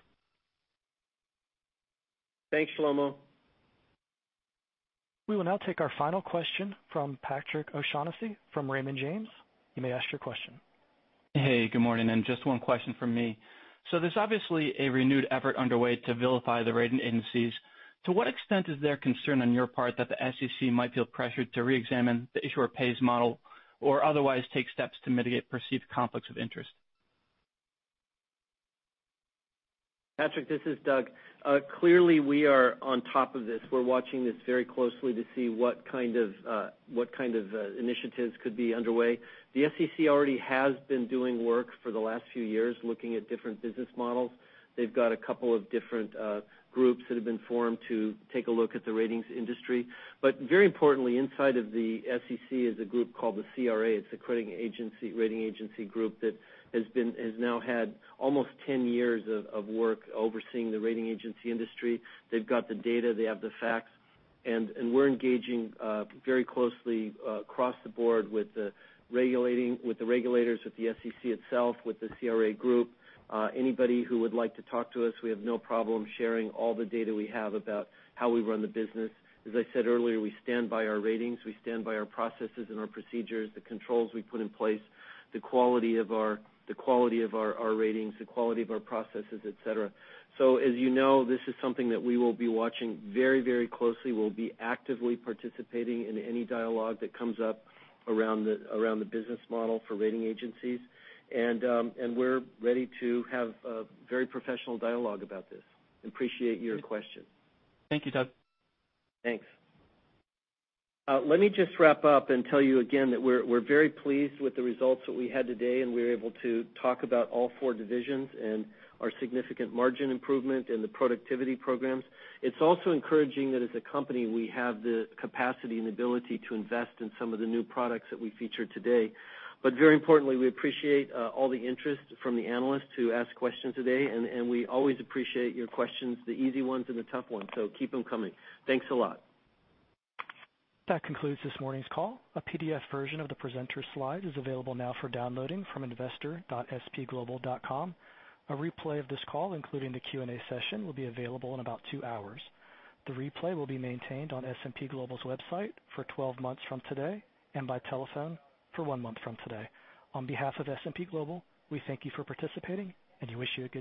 Thanks, Shlomo. We will now take our final question from Patrick O'Shaughnessy from Raymond James. You may ask your question. Good morning, just one question from me. There's obviously a renewed effort underway to vilify the rating agencies. To what extent is there concern on your part that the SEC might feel pressured to reexamine the issuer pays model or otherwise take steps to mitigate perceived conflicts of interest? Patrick, this is Doug. Clearly, we are on top of this. We're watching this very closely to see what kind of initiatives could be underway. The SEC already has been doing work for the last few years looking at different business models. They've got a couple of different groups that have been formed to take a look at the ratings industry. Very importantly, inside of the SEC is a group called the OCR. It's a rating agency group that has now had almost 10 years of work overseeing the rating agency industry. They've got the data, they have the facts. We're engaging very closely across the board with the regulators, with the SEC itself, with the OCR group. Anybody who would like to talk to us, we have no problem sharing all the data we have about how we run the business. As I said earlier, we stand by our ratings, we stand by our processes and our procedures, the controls we put in place, the quality of our ratings, the quality of our processes, etc. As you know, this is something that we will be watching very closely. We'll be actively participating in any dialogue that comes up around the business model for rating agencies. We're ready to have a very professional dialogue about this. Appreciate your question. Thank you, Doug. Thanks. Let me just wrap up and tell you again that we're very pleased with the results that we had today, and we were able to talk about all four divisions and our significant margin improvement and the productivity programs. It's also encouraging that as a company, we have the capacity and ability to invest in some of the new products that we featured today. Very importantly, we appreciate all the interest from the analysts who asked questions today, and we always appreciate your questions, the easy ones and the tough ones. Keep them coming. Thanks a lot. That concludes this morning's call. A PDF version of the presenter's slide is available now for downloading from investor.spglobal.com. A replay of this call, including the Q&A session, will be available in about two hours. The replay will be maintained on S&P Global's website for 12 months from today and by telephone for one month from today. On behalf of S&P Global, we thank you for participating, and we wish you a good day.